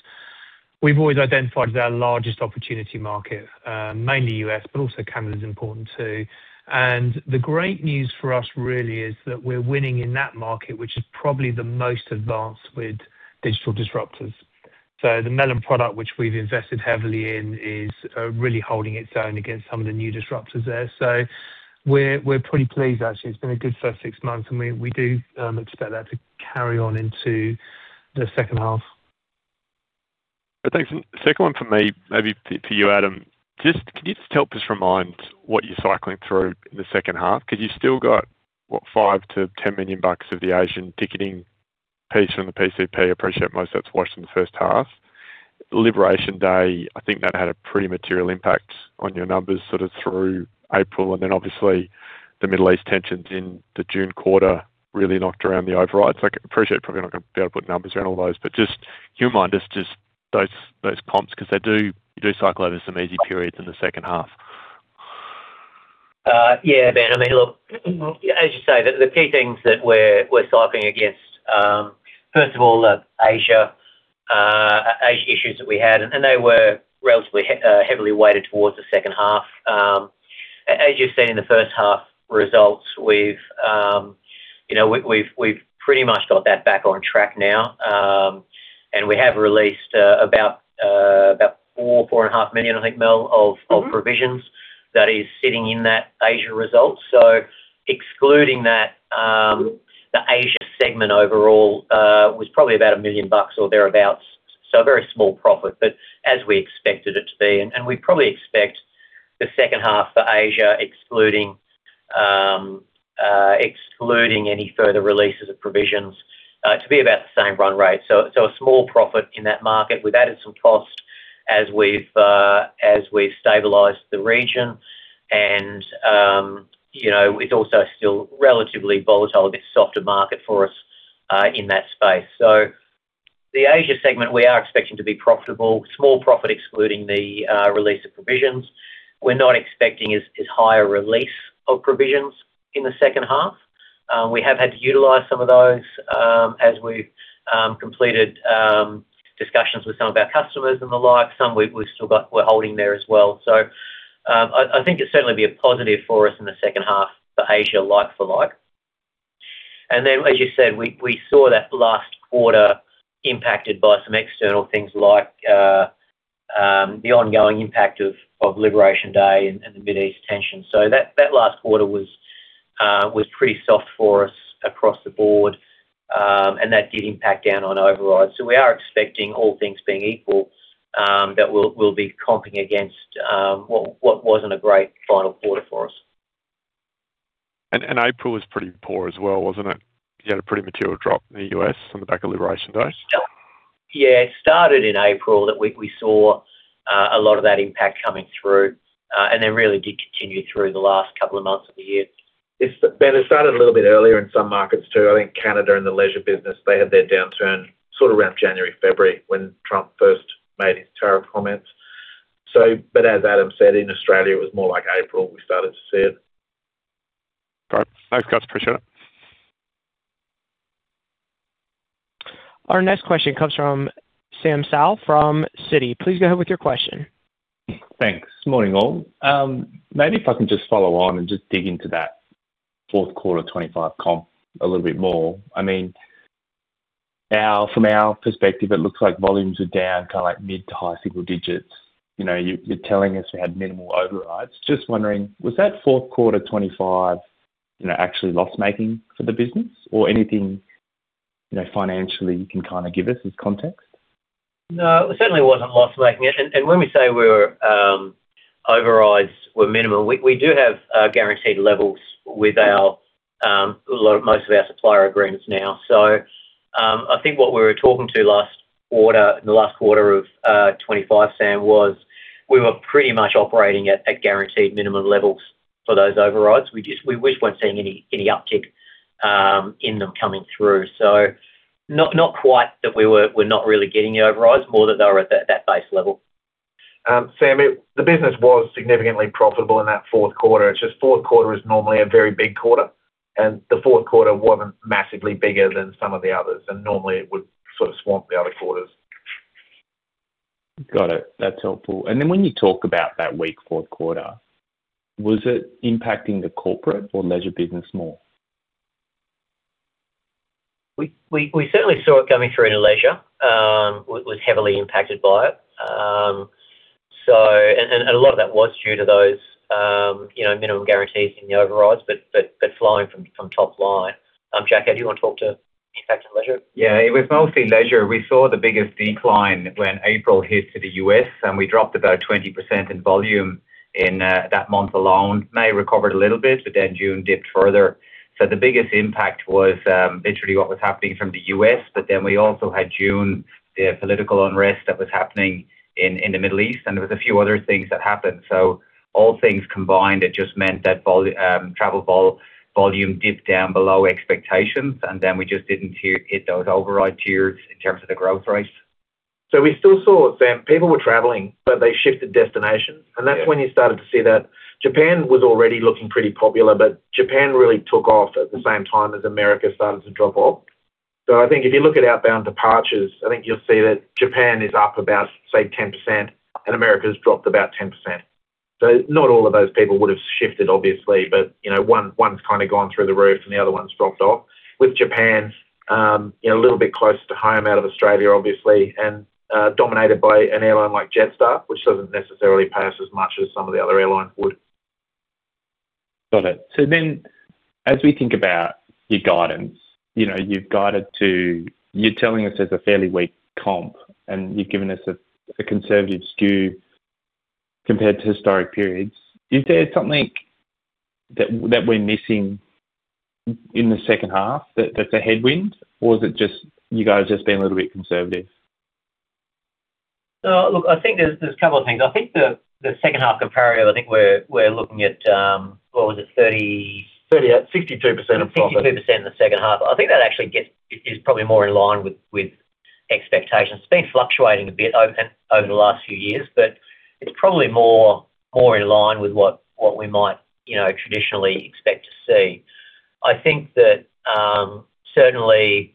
We've always identified as our largest opportunity market, mainly U.S., but also Canada is important too. The great news for us really is that we're winning in that market, which is probably the most advanced with digital disruptors. The Melon product, which we've invested heavily in, is really holding its own against some of the new disruptors there. We're pretty pleased, actually. It's been a good first 6 months, and we do expect that to carry on into the second half. Thanks. Second one for me, maybe for you, Adam. Just, can you just help us remind what you're cycling through in the second half? You've still got, what, 5 million-10 million bucks of the Asian ticketing piece from the PCP. I appreciate most that's washed in the first half. Liberation Day, I think that had a pretty material impact on your numbers sort of through April, and then obviously, the Middle East tensions in the June quarter really knocked around the overrides. I appreciate probably not going to be able to put numbers around all those, but just remind us just those comps, because they do, you do cycle over some easy periods in the second half. Yeah, Ben, I mean, look, as you say, the key things that we're cycling against, first of all, Asia issues that we had, and they were relatively heavily weighted towards the second half. As you've seen in the first half results, we've, you know, we've pretty much got that back on track now. We have released about 4.5 million, I think, Mel, of. Mm-hmm... of provisions that is sitting in that Asia results. Excluding that, the Asia segment overall was probably about 1 million bucks or thereabout, so a very small profit, but as we expected it to be. We probably expect the second half for Asia, excluding any further releases of provisions, to be about the same run rate. A small profit in that market. We've added some costs as we've stabilized the region, and, you know, it's also still relatively volatile, a bit softer market for us in that space. The Asia segment, we are expecting to be profitable, small profit, excluding the release of provisions. We're not expecting as high a release of provisions in the second half. We have had to utilize some of those, as we've completed discussions with some of our customers and the like. Some we're holding there as well. I think it'll certainly be a positive for us in the second half for Asia, like for like. As you said, we saw that last quarter impacted by some external things like the ongoing impact of Liberation Day and the Mideast tension. That last quarter was pretty soft for us across the board. That did impact down on overrides. We are expecting, all things being equal, that we'll be comping against what wasn't a great final quarter for us. April was pretty poor as well, wasn't it? You had a pretty material drop in the US on the back of Liberation Day. Yeah, it started in April that we saw a lot of that impact coming through, and then really did continue through the last couple of months of the year. It started a little bit earlier in some markets, too. I think Canada and the leisure business, they had their downturn sort of around January, February, when Trump first made his tariff comments. As Adam said, in Australia, it was more like April, we started to see it. All right. Thanks, guys, appreciate it. Our next question comes from Sam Sal from Citi. Please go ahead with your question. Thanks. Morning, all. Maybe if I can just follow on and just dig into that fourth quarter 25 comp a little bit more. I mean, now, from our perspective, it looks like volumes are down, kind of like mid-to-high single digits. You know, you're telling us you had minimal overrides. Just wondering, was that fourth quarter 25, you know, actually loss-making for the business? Anything, you know, financially you can kind of give us as context. No, it certainly wasn't loss-making. When we say we were, overrides were minimal, we do have guaranteed levels with our a lot of, most of our supplier agreements now. I think what we were talking to last quarter, in the last quarter of 2025, Sam, was we were pretty much operating at guaranteed minimum levels for those overrides. We just weren't seeing any uptick in them coming through. Not quite that we're not really getting the overrides, more that they were at that base level. Sam, the business was significantly profitable in that fourth quarter. It's just fourth quarter is normally a very big quarter. The fourth quarter wasn't massively bigger than some of the others. Normally it would sort of swamp the other quarters. Got it. That's helpful. When you talk about that weak fourth quarter, was it impacting the corporate or leisure business more? We certainly saw it coming through in leisure. Was heavily impacted by it. A lot of that was due to those, you know, minimum guarantees in the overrides, but flowing from top line. Jack, do you want to talk to the impact on leisure? Yeah, it was mostly leisure. We saw the biggest decline when April hit to the U.S., we dropped about 20% in volume in that month alone. May recovered a little bit, June dipped further. The biggest impact was literally what was happening from the U.S., we also had June, the political unrest that was happening in the Middle East, there was a few other things that happened. All things combined, it just meant that travel volume dipped down below expectations, we just didn't hit those override tiers in terms of the growth rates. We still saw, Sam, people were traveling, but they shifted destinations. Yeah. That's when you started to see that Japan was already looking pretty popular, but Japan really took off at the same time as America started to drop off. I think if you look at outbound departures, I think you'll see that Japan is up about, say, 10%, and America's dropped about 10%. Not all of those people would have shifted, obviously, but you know, one's kind of gone through the roof and the other one's dropped off. With Japan, you know, a little bit closer to home out of Australia, obviously, and dominated by an airline like Jetstar, which doesn't necessarily pass as much as some of the other airlines would. Got it. As we think about your guidance, you know, you've guided to. You're telling us there's a fairly weak comp, and you've given us a conservative skew compared to historic periods. Is there something that we're missing in the second half that's a headwind, or is it just you guys being a little bit conservative? I think there's a couple of things. I think the second half comparative, I think we're looking at, what was it. 30, 62% of profit. 62% in the second half. I think that actually is probably more in line with expectations. It's been fluctuating a bit over the last few years, but it's probably more, more in line with what we might, you know, traditionally expect to see. I think that, certainly,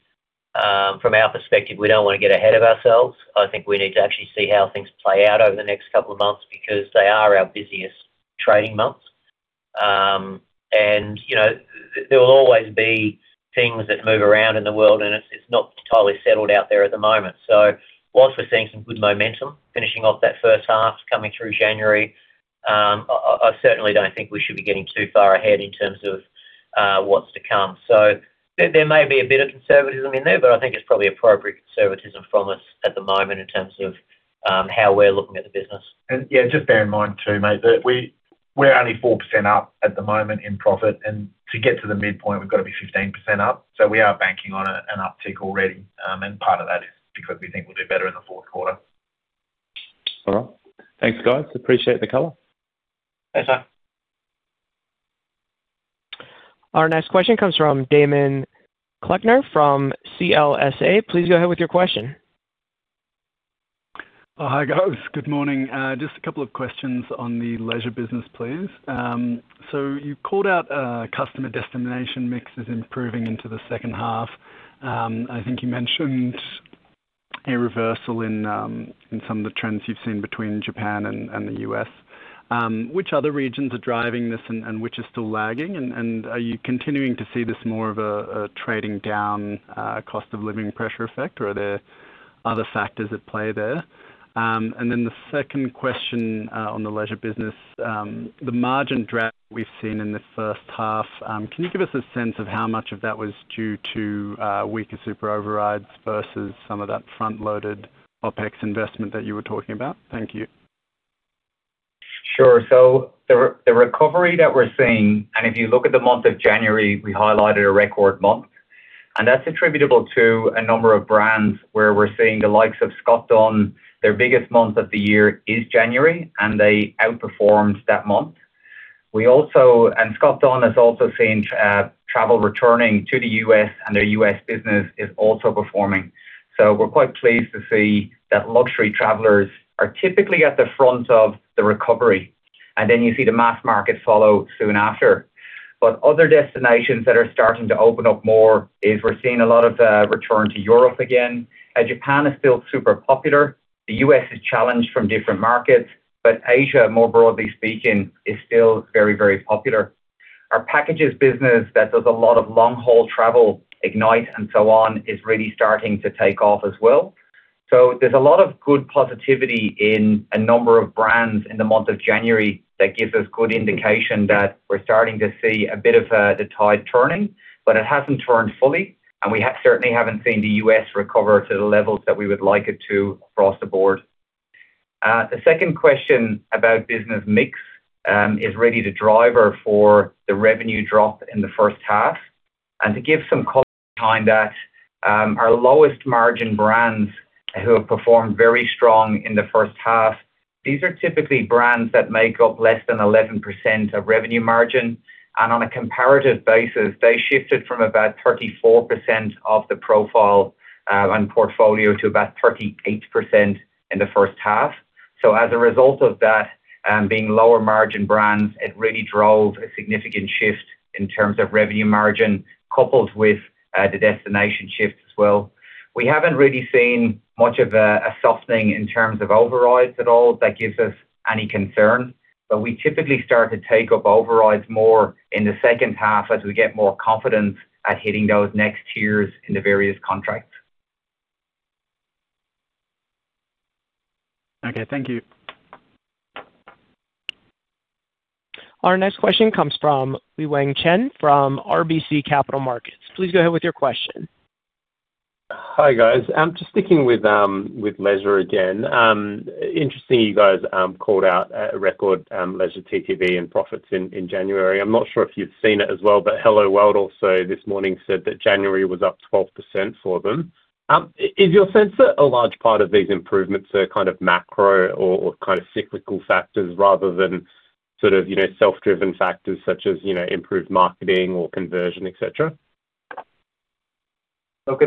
from our perspective, we don't want to get ahead of ourselves. I think we need to actually see how things play out over the next couple of months because they are our busiest trading months. You know, there will always be things that move around in the world, and it's not totally settled out there at the moment. Whilst we're seeing some good momentum, finishing off that first half, coming through January, I certainly don't think we should be getting too far ahead in terms of what's to come. There may be a bit of conservatism in there, but I think it's probably appropriate conservatism from us at the moment in terms of how we're looking at the business. Yeah, just bear in mind too, mate, that. We're only 4% up at the moment in profit, and to get to the midpoint, we've got to be 15% up. We are banking on an uptick already, and part of that is because we think we'll do better in the fourth quarter. All right. Thanks, guys. Appreciate the call. Thanks, sir. Our next question comes from Damon Clackner from CLSA. Please go ahead with your question. Hi, guys. Good morning. Just a couple of questions on the leisure business, please. So you called out, customer destination mix is improving into the second half. I think you mentioned a reversal in some of the trends you've seen between Japan and the U.S. Which other regions are driving this and which is still lagging? Are you continuing to see this more of a trading down, cost of living pressure effect, or are there other factors at play there? Then the second question, on the leisure business, the margin draft we've seen in the first half, can you give us a sense of how much of that was due to weaker super overrides versus some of that front-loaded OpEx investment that you were talking about? Thank you. Sure. The recovery that we're seeing, and if you look at the month of January, we highlighted a record month, and that's attributable to a number of brands where we're seeing the likes of Scott Dunn. Their biggest month of the year is January, and they outperformed that month. We also, Scott Dunn has also seen travel returning to the U.S., and their U.S. business is also performing. We're quite pleased to see that luxury travelers are typically at the front of the recovery, and then you see the mass market follow soon after. Other destinations that are starting to open up more is we're seeing a lot of the return to Europe again, and Japan is still super popular. The U.S. is challenged from different markets, but Asia, more broadly speaking, is still very, very popular. Our packages business that does a lot of long-haul travel, Ignite and so on, is really starting to take off as well. There's a lot of good positivity in a number of brands in the month of January that gives us good indication that we're starting to see a bit of the tide turning, but it hasn't turned fully, and we have certainly haven't seen the U.S. recover to the levels that we would like it to across the board. The second question about business mix is really the driver for the revenue drop in the first half. To give some behind that, our lowest margin brands who have performed very strong in the first half, these are typically brands that make up less than 11% of revenue margin, and on a comparative basis, they shifted from about 34% of the profile and portfolio to about 38% in the first half. As a result of that, being lower margin brands, it really drove a significant shift in terms of revenue margin, coupled with the destination shift as well. We haven't really seen much of a softening in terms of overrides at all that gives us any concern, but we typically start to take up overrides more in the second half as we get more confident at hitting those next tiers in the various contracts. Okay, thank you. Our next question comes from Wei Wang Chen from RBC Capital Markets. Please go ahead with your question. Hi, guys. Just sticking with leisure again. Interesting you guys called out a record leisure TTV and profits in January. I'm not sure if you've seen it as well, but Helloworld also this morning said that January was up 12% for them. Is your sense that a large part of these improvements are kind of macro or kind of cyclical factors rather than sort of, you know, self-driven factors such as, you know, improved marketing or conversion, et cetera? Look,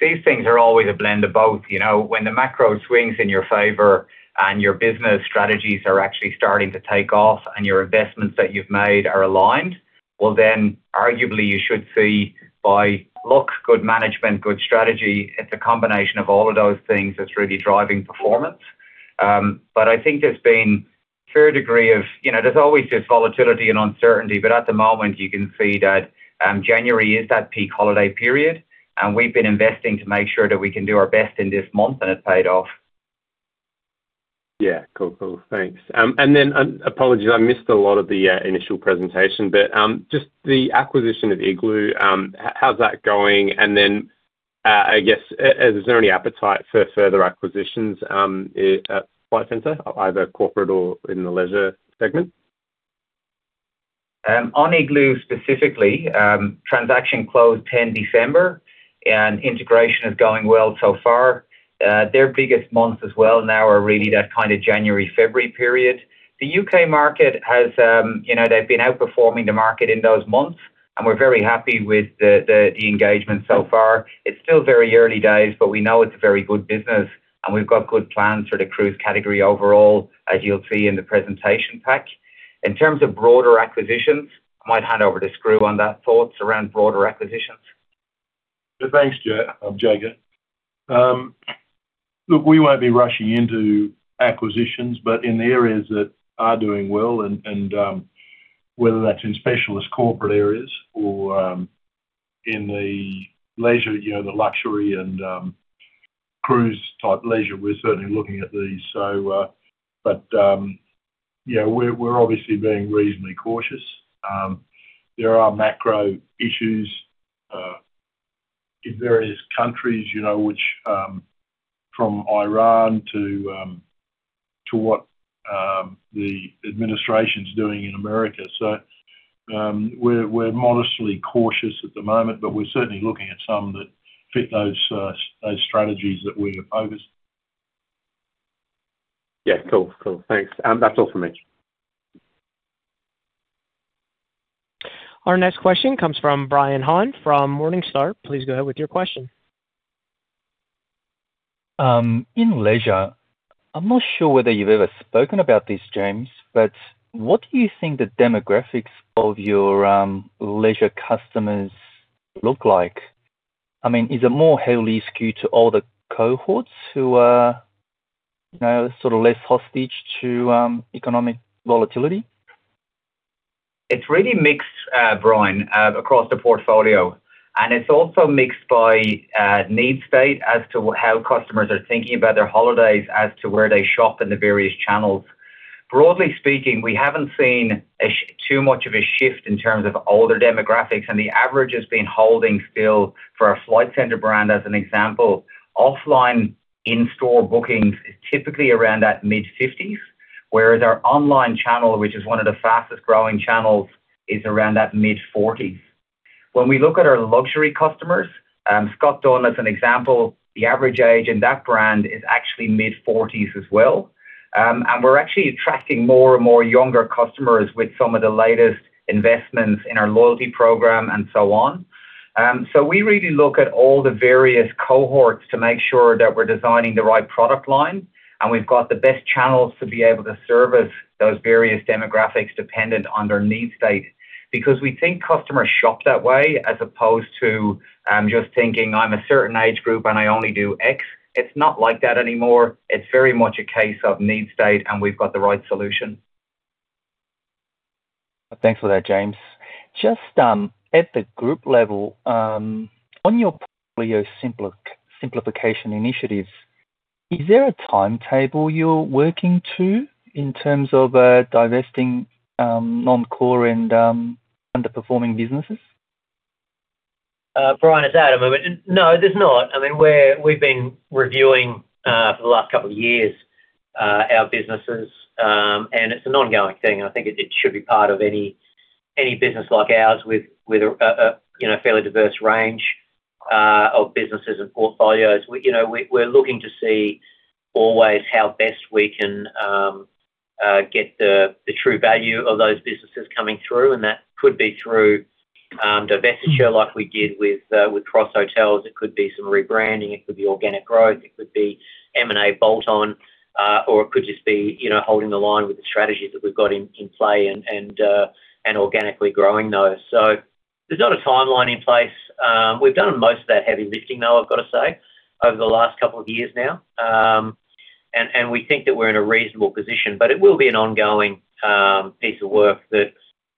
these things are always a blend of both. You know, when the macro swings in your favor and your business strategies are actually starting to take off and your investments that you've made are aligned, well, then arguably you should see by look, good management, good strategy. It's a combination of all of those things that's really driving performance. I think there's been a fair degree of, you know, there's always just volatility and uncertainty, but at the moment you can see that, January is that peak holiday period, and we've been investing to make sure that we can do our best in this month, and it paid off. Yeah. Cool. Cool. Thanks. Apologies, I missed a lot of the initial presentation, but just the acquisition of Iglu, how's that going? I guess, is there any appetite for further acquisitions, at Flight Centre, either corporate or in the leisure segment? On Iglu specifically, transaction closed 10 December, integration is going well so far. Their biggest months as well now are really that kind of January, February period. The U.K. market has, you know, they've been outperforming the market in those months, we're very happy with the, the engagement so far. It's still very early days, but we know it's a very good business, we've got good plans for the cruise category overall, as you'll see in the presentation pack. In terms of broader acquisitions, I might hand over to Skroo on that. Thoughts around broader acquisitions. Thanks, James Kavanagh. Look, we won't be rushing into acquisitions, but in the areas that are doing well and, whether that's in specialist corporate areas or, in the leisure, you know, the luxury and, cruise type leisure, we're certainly looking at these. Yeah, we're obviously being reasonably cautious. There are macro issues. ... in various countries, you know, which, from Iran to what the administration's doing in America. We're modestly cautious at the moment, but we're certainly looking at some that fit those strategies that we are focused. Yeah. Cool. Cool. Thanks. That's all for me. Our next question comes from Brian Han from Morningstar. Please go ahead with your question. In leisure, I'm not sure whether you've ever spoken about this, James, but what do you think the demographics of your leisure customers look like? I mean, is it more heavily skewed to all the cohorts who are, you know, sort of less hostage to economic volatility? It's really mixed, Brian, across the portfolio, and it's also mixed by need state as to how customers are thinking about their holidays as to where they shop in the various channels. Broadly speaking, we haven't seen too much of a shift in terms of older demographics, and the average has been holding still for our Flight Centre brand, as an example. Offline in-store bookings is typically around that mid-fifties, whereas our online channel, which is one of the fastest-growing channels, is around that mid-forties. When we look at our luxury customers, Scott Dunn, as an example, the average age in that brand is actually mid-forties as well. We're actually attracting more and more younger customers with some of the latest investments in our loyalty program and so on. We really look at all the various cohorts to make sure that we're designing the right product line, and we've got the best channels to be able to service those various demographics dependent on their need state. Because we think customers shop that way as opposed to, just thinking, "I'm a certain age group, and I only do X." It's not like that anymore. It's very much a case of need state, and we've got the right solution. Thanks for that, James. Just, at the group level, on your portfolio simplification initiatives, is there a timetable you're working to in terms of divesting non-core and underperforming businesses? Brian, it's Adam. No, there's not. I mean, we've been reviewing for the last couple of years, our businesses. It's an ongoing thing. I think it should be part of any business like ours with a, you know, fairly diverse range of businesses and portfolios. We, you know, we're looking to see always how best we can get the true value of those businesses coming through, and that could be through divestiture, like we did with Cross Hotels. It could be some rebranding, it could be organic growth, it could be M&A bolt-on, or it could just be, you know, holding the line with the strategy that we've got in play and organically growing those. There's not a timeline in place. We've done most of that heavy lifting, though, I've got to say, over the last couple of years now. And we think that we're in a reasonable position, but it will be an ongoing piece of work that,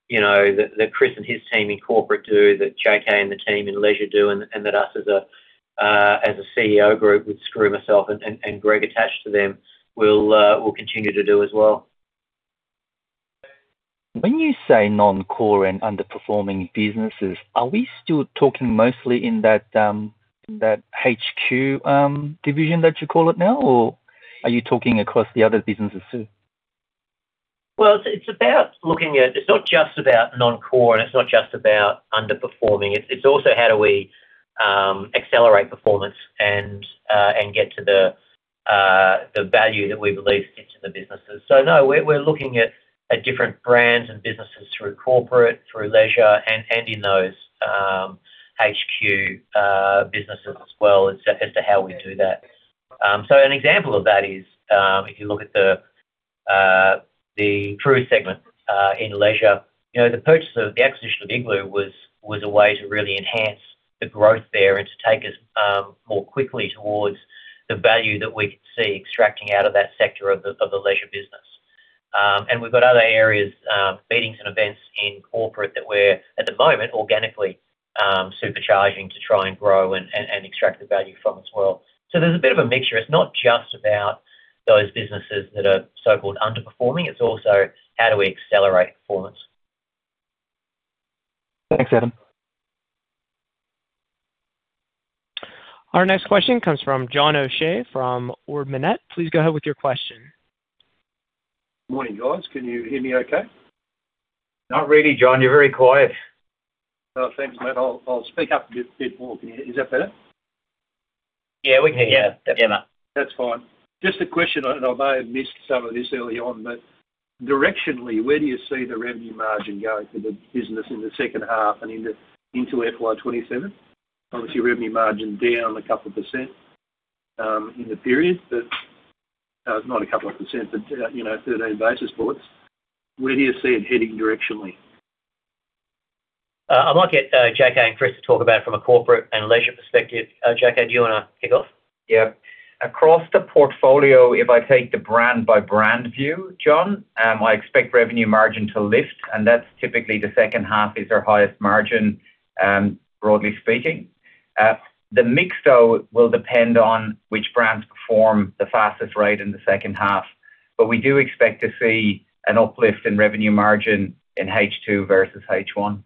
you know, that Chris and his team in corporate do, that JK and the team in leisure do, and that us as a CEO group, with myself and Greg attached to them, will continue to do as well. When you say non-core and underperforming businesses, are we still talking mostly in that HQ division, that you call it now, or are you talking across the other businesses, too? Well, it's not just about non-core, and it's not just about underperforming. It's also how do we accelerate performance and get to the value that we believe into the businesses. no, we're looking at different brands and businesses through corporate, through leisure and in those HQ businesses as well, as to how we do that. an example of that is if you look at the cruise segment in leisure, you know, the acquisition of Iglu was a way to really enhance the growth there and to take us more quickly towards the value that we could see extracting out of that sector of the leisure business. We've got other areas, meetings and events in corporate that we're, at the moment, organically, supercharging to try and grow and extract the value from as well. There's a bit of a mixture. It's not just about those businesses that are so-called underperforming. It's also how do we accelerate performance? Thanks, Adam. Our next question comes from John O'Shea from Ord Minnett. Please go ahead with your question. Morning, guys. Can you hear me okay? Not really, John. You're very quiet. Oh, thanks, mate. I'll speak up a bit more. Is that better? Yeah, we can hear you definitely. Yeah. That's fine. Just a question, and I may have missed some of this early on, but directionally, where do you see the revenue margin going for the business in the second half and into FY27? Obviously, revenue margin down a couple %, in the period, but not a couple %, but, you know, 13 basis points. Where do you see it heading directionally? I'd like to get JK and Chris to talk about from a corporate and leisure perspective. JK, do you want to kick off? Yeah. Across the portfolio, if I take the brand by brand view, John, I expect revenue margin to lift, and that's typically the second half is our highest margin, broadly speaking. The mix, though, will depend on which brands perform the fastest rate in the second half. We do expect to see an uplift in revenue margin in H2 versus H1.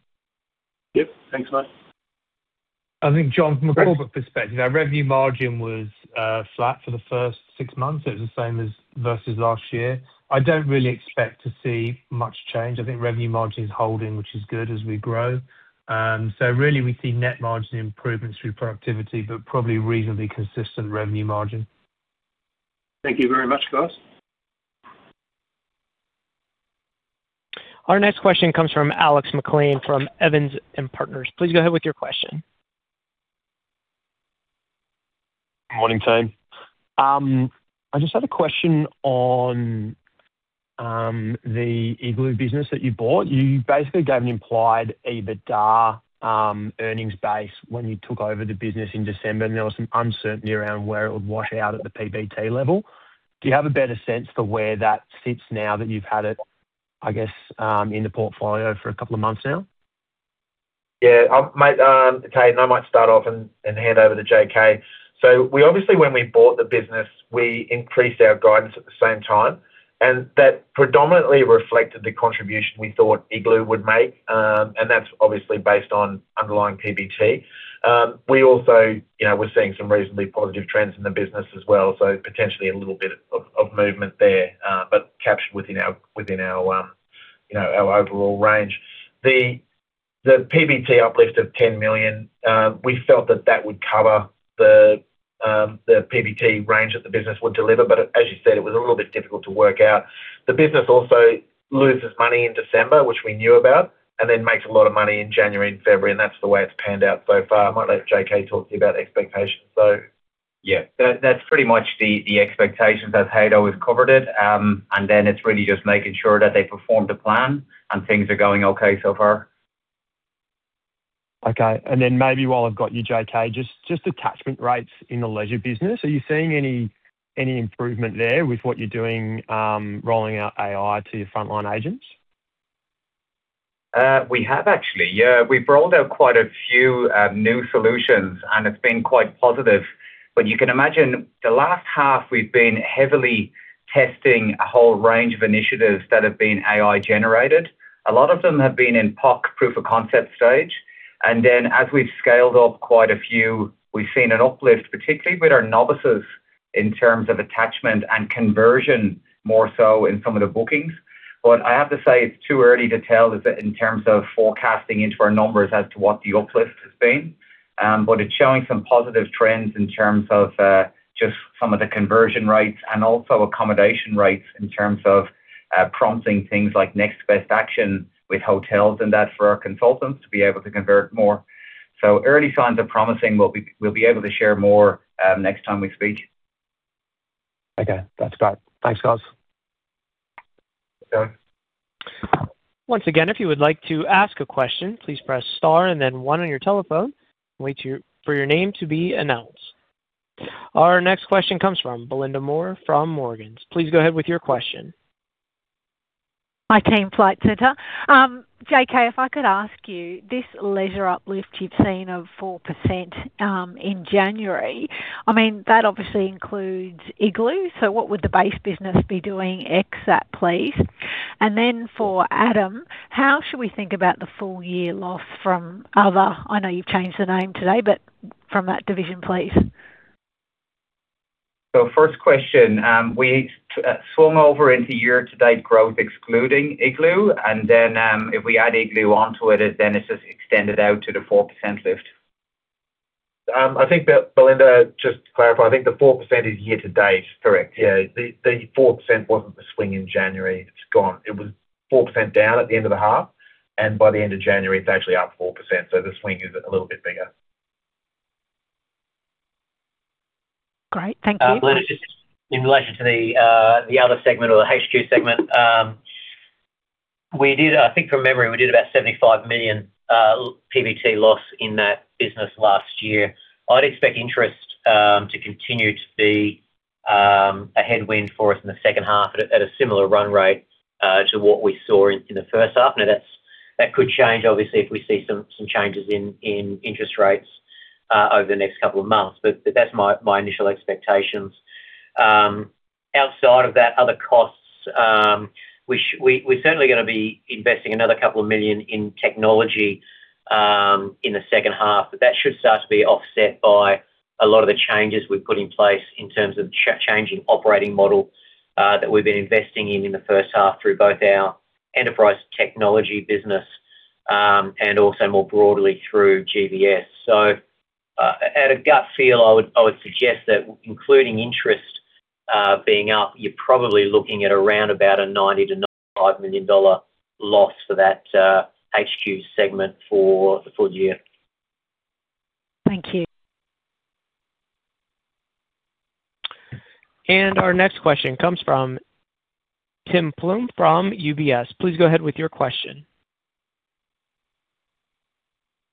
Yep. Thanks a lot. I think, John, from a corporate perspective, our revenue margin was flat for the first six months. It was the same as versus last year. I don't really expect to see much change. I think revenue margin is holding, which is good as we grow. Really, we see net margin improvements through productivity, but probably reasonably consistent revenue margin. Thank you very much, guys. Our next question comes from Alex McLean, from Evans and Partners. Please go ahead with your question. Morning, team. I just had a question on the Iglu business that you bought. You basically gave an implied EBITDA earnings base when you took over the business in December, and there was some uncertainty around where it would wash out at the PBT level. Do you have a better sense for where that sits now that you've had it, I guess, in the portfolio for a couple of months now? Yeah, I might, okay, I might start off and hand over to J.K. We obviously, when we bought the business, we increased our guidance at the same time, that predominantly reflected the contribution we thought Iglu would make, that's obviously based on underlying PBT. We also, you know, we're seeing some reasonably positive trends in the business as well, so potentially a little bit of movement there, captured within our, within our, you know, our overall range. The PBT uplift of 10 million, we felt that that would cover the PBT range that the business would deliver. As you said, it was a little bit difficult to work out. The business also loses money in December, which we knew about, and then makes a lot of money in January and February, and that's the way it's panned out so far. I might let J.K. talk to you about expectations, so. Yeah. That's pretty much the expectations, as Haydn has covered it. It's really just making sure that they perform the plan and things are going okay so far. Okay. Then maybe while I've got you, JK, just attachment rates in the leisure business, are you seeing any improvement there with what you're doing, rolling out AI to your frontline agents? We have actually. Yeah, we've rolled out quite a few new solutions, and it's been quite positive. You can imagine the last half, we've been heavily testing a whole range of initiatives that have been AI-generated. A lot of them have been in POC, proof of concept stage, and then as we've scaled up quite a few, we've seen an uplift, particularly with our novices, in terms of attachment and conversion, more so in some of the bookings. I have to say, it's too early to tell in terms of forecasting into our numbers as to what the uplift has been. It's showing some positive trends in terms of just some of the conversion rates and also accommodation rates in terms of prompting things like next best action with hotels and that for our consultants to be able to convert more. Early signs are promising. We'll be able to share more next time we speak. Okay. That's great. Thanks, guys. Yeah. Once again, if you would like to ask a question, please press star and then 1 on your telephone and wait for your name to be announced. Our next question comes from Belinda Moore from Morgans. Please go ahead with your question. Hi, team Flight Centre. J.K., if I could ask you, this leisure uplift you've seen of 4%, in January, I mean, that obviously includes Iglu. What would the base business be doing ex that, please? For Adam, how should we think about the full year loss from I know you've changed the name today, but from that division, please? First question, we swung over into year-to-date growth, excluding Iglu, and then, if we add Iglu onto it, then it's just extended out to the 4% lift. I think, Belinda, just to clarify, I think the 4% is year to date, correct? Yeah, the 4% wasn't the swing in January. It's gone. It was 4% down at the end of the half, and by the end of January, it's actually up 4%, so the swing is a little bit bigger. Great. Thank you. Belinda, just in relation to the other segment or the HQ segment, I think from memory, we did about 75 million PBT loss in that business last year. I'd expect interest to continue to be a headwind for us in the second half at a similar run rate to what we saw in the first half. That could change, obviously, if we see some changes in interest rates over the next couple of months. That's my initial expectations. Outside of that, other costs, we're certainly gonna be investing another 2 million in technology, in the second half, but that should start to be offset by a lot of the changes we've put in place in terms of changing operating model, that we've been investing in the first half through both our enterprise technology business, and also more broadly through GBS. At a gut feel, I would suggest that including interest, being up, you're probably looking at around about an 90 million-95 million dollar loss for that HQ segment for the full year. Thank you. Our next question comes from Tim Plumbe from UBS. Please go ahead with your question.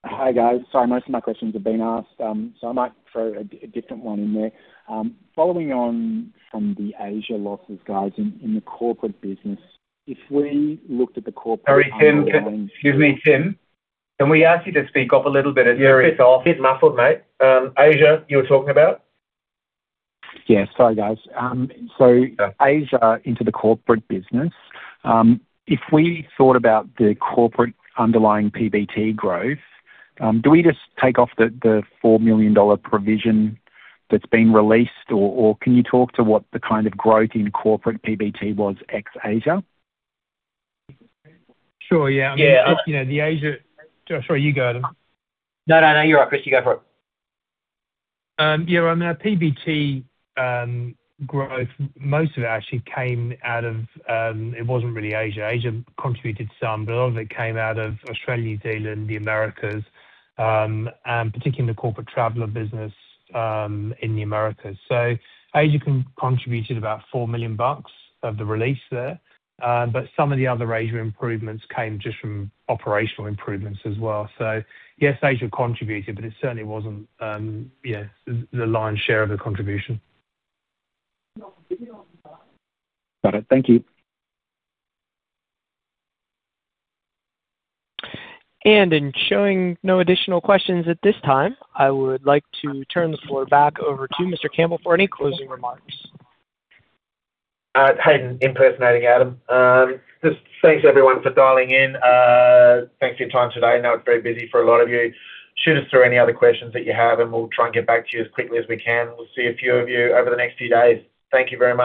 Hi, guys. Sorry, most of my questions have been asked, I might throw a different one in there. Following on from the Asia losses, guys in the corporate business, if we looked at the corporate- Sorry, Tim. Excuse me, Tim, can we ask you to speak up a little bit? It's very soft. Bit muffled, mate. Asia, you were talking about? Yeah, sorry, guys. Yeah... Asia into the corporate business. If we thought about the corporate underlying PBT growth, do we just take off the 4 million dollar provision that's been released? Or can you talk to what the kind of growth in corporate PBT was ex-Asia? Sure. Yeah. Yeah. You know, Sorry, you go, Adam. No, no, you're right, Chris. You go for it. On our PBT growth, most of it actually came out of, it wasn't really Asia. Asia contributed some, but a lot of it came out of Australia, New Zealand, the Americas, and particularly the Corporate Traveller business in the Americas. Asia contributed about 4 million bucks of the release there, but some of the other Asia improvements came just from operational improvements as well. Yes, Asia contributed, but it certainly wasn't the lion's share of the contribution. Got it. Thank you. In showing no additional questions at this time, I would like to turn the floor back over to Mr. Campbell for any closing remarks. Hayden impersonating Adam. Just thanks, everyone, for dialing in. Thanks for your time today. I know it's very busy for a lot of you. Shoot us through any other questions that you have, and we'll try and get back to you as quickly as we can. We'll see a few of you over the next few days. Thank you very much.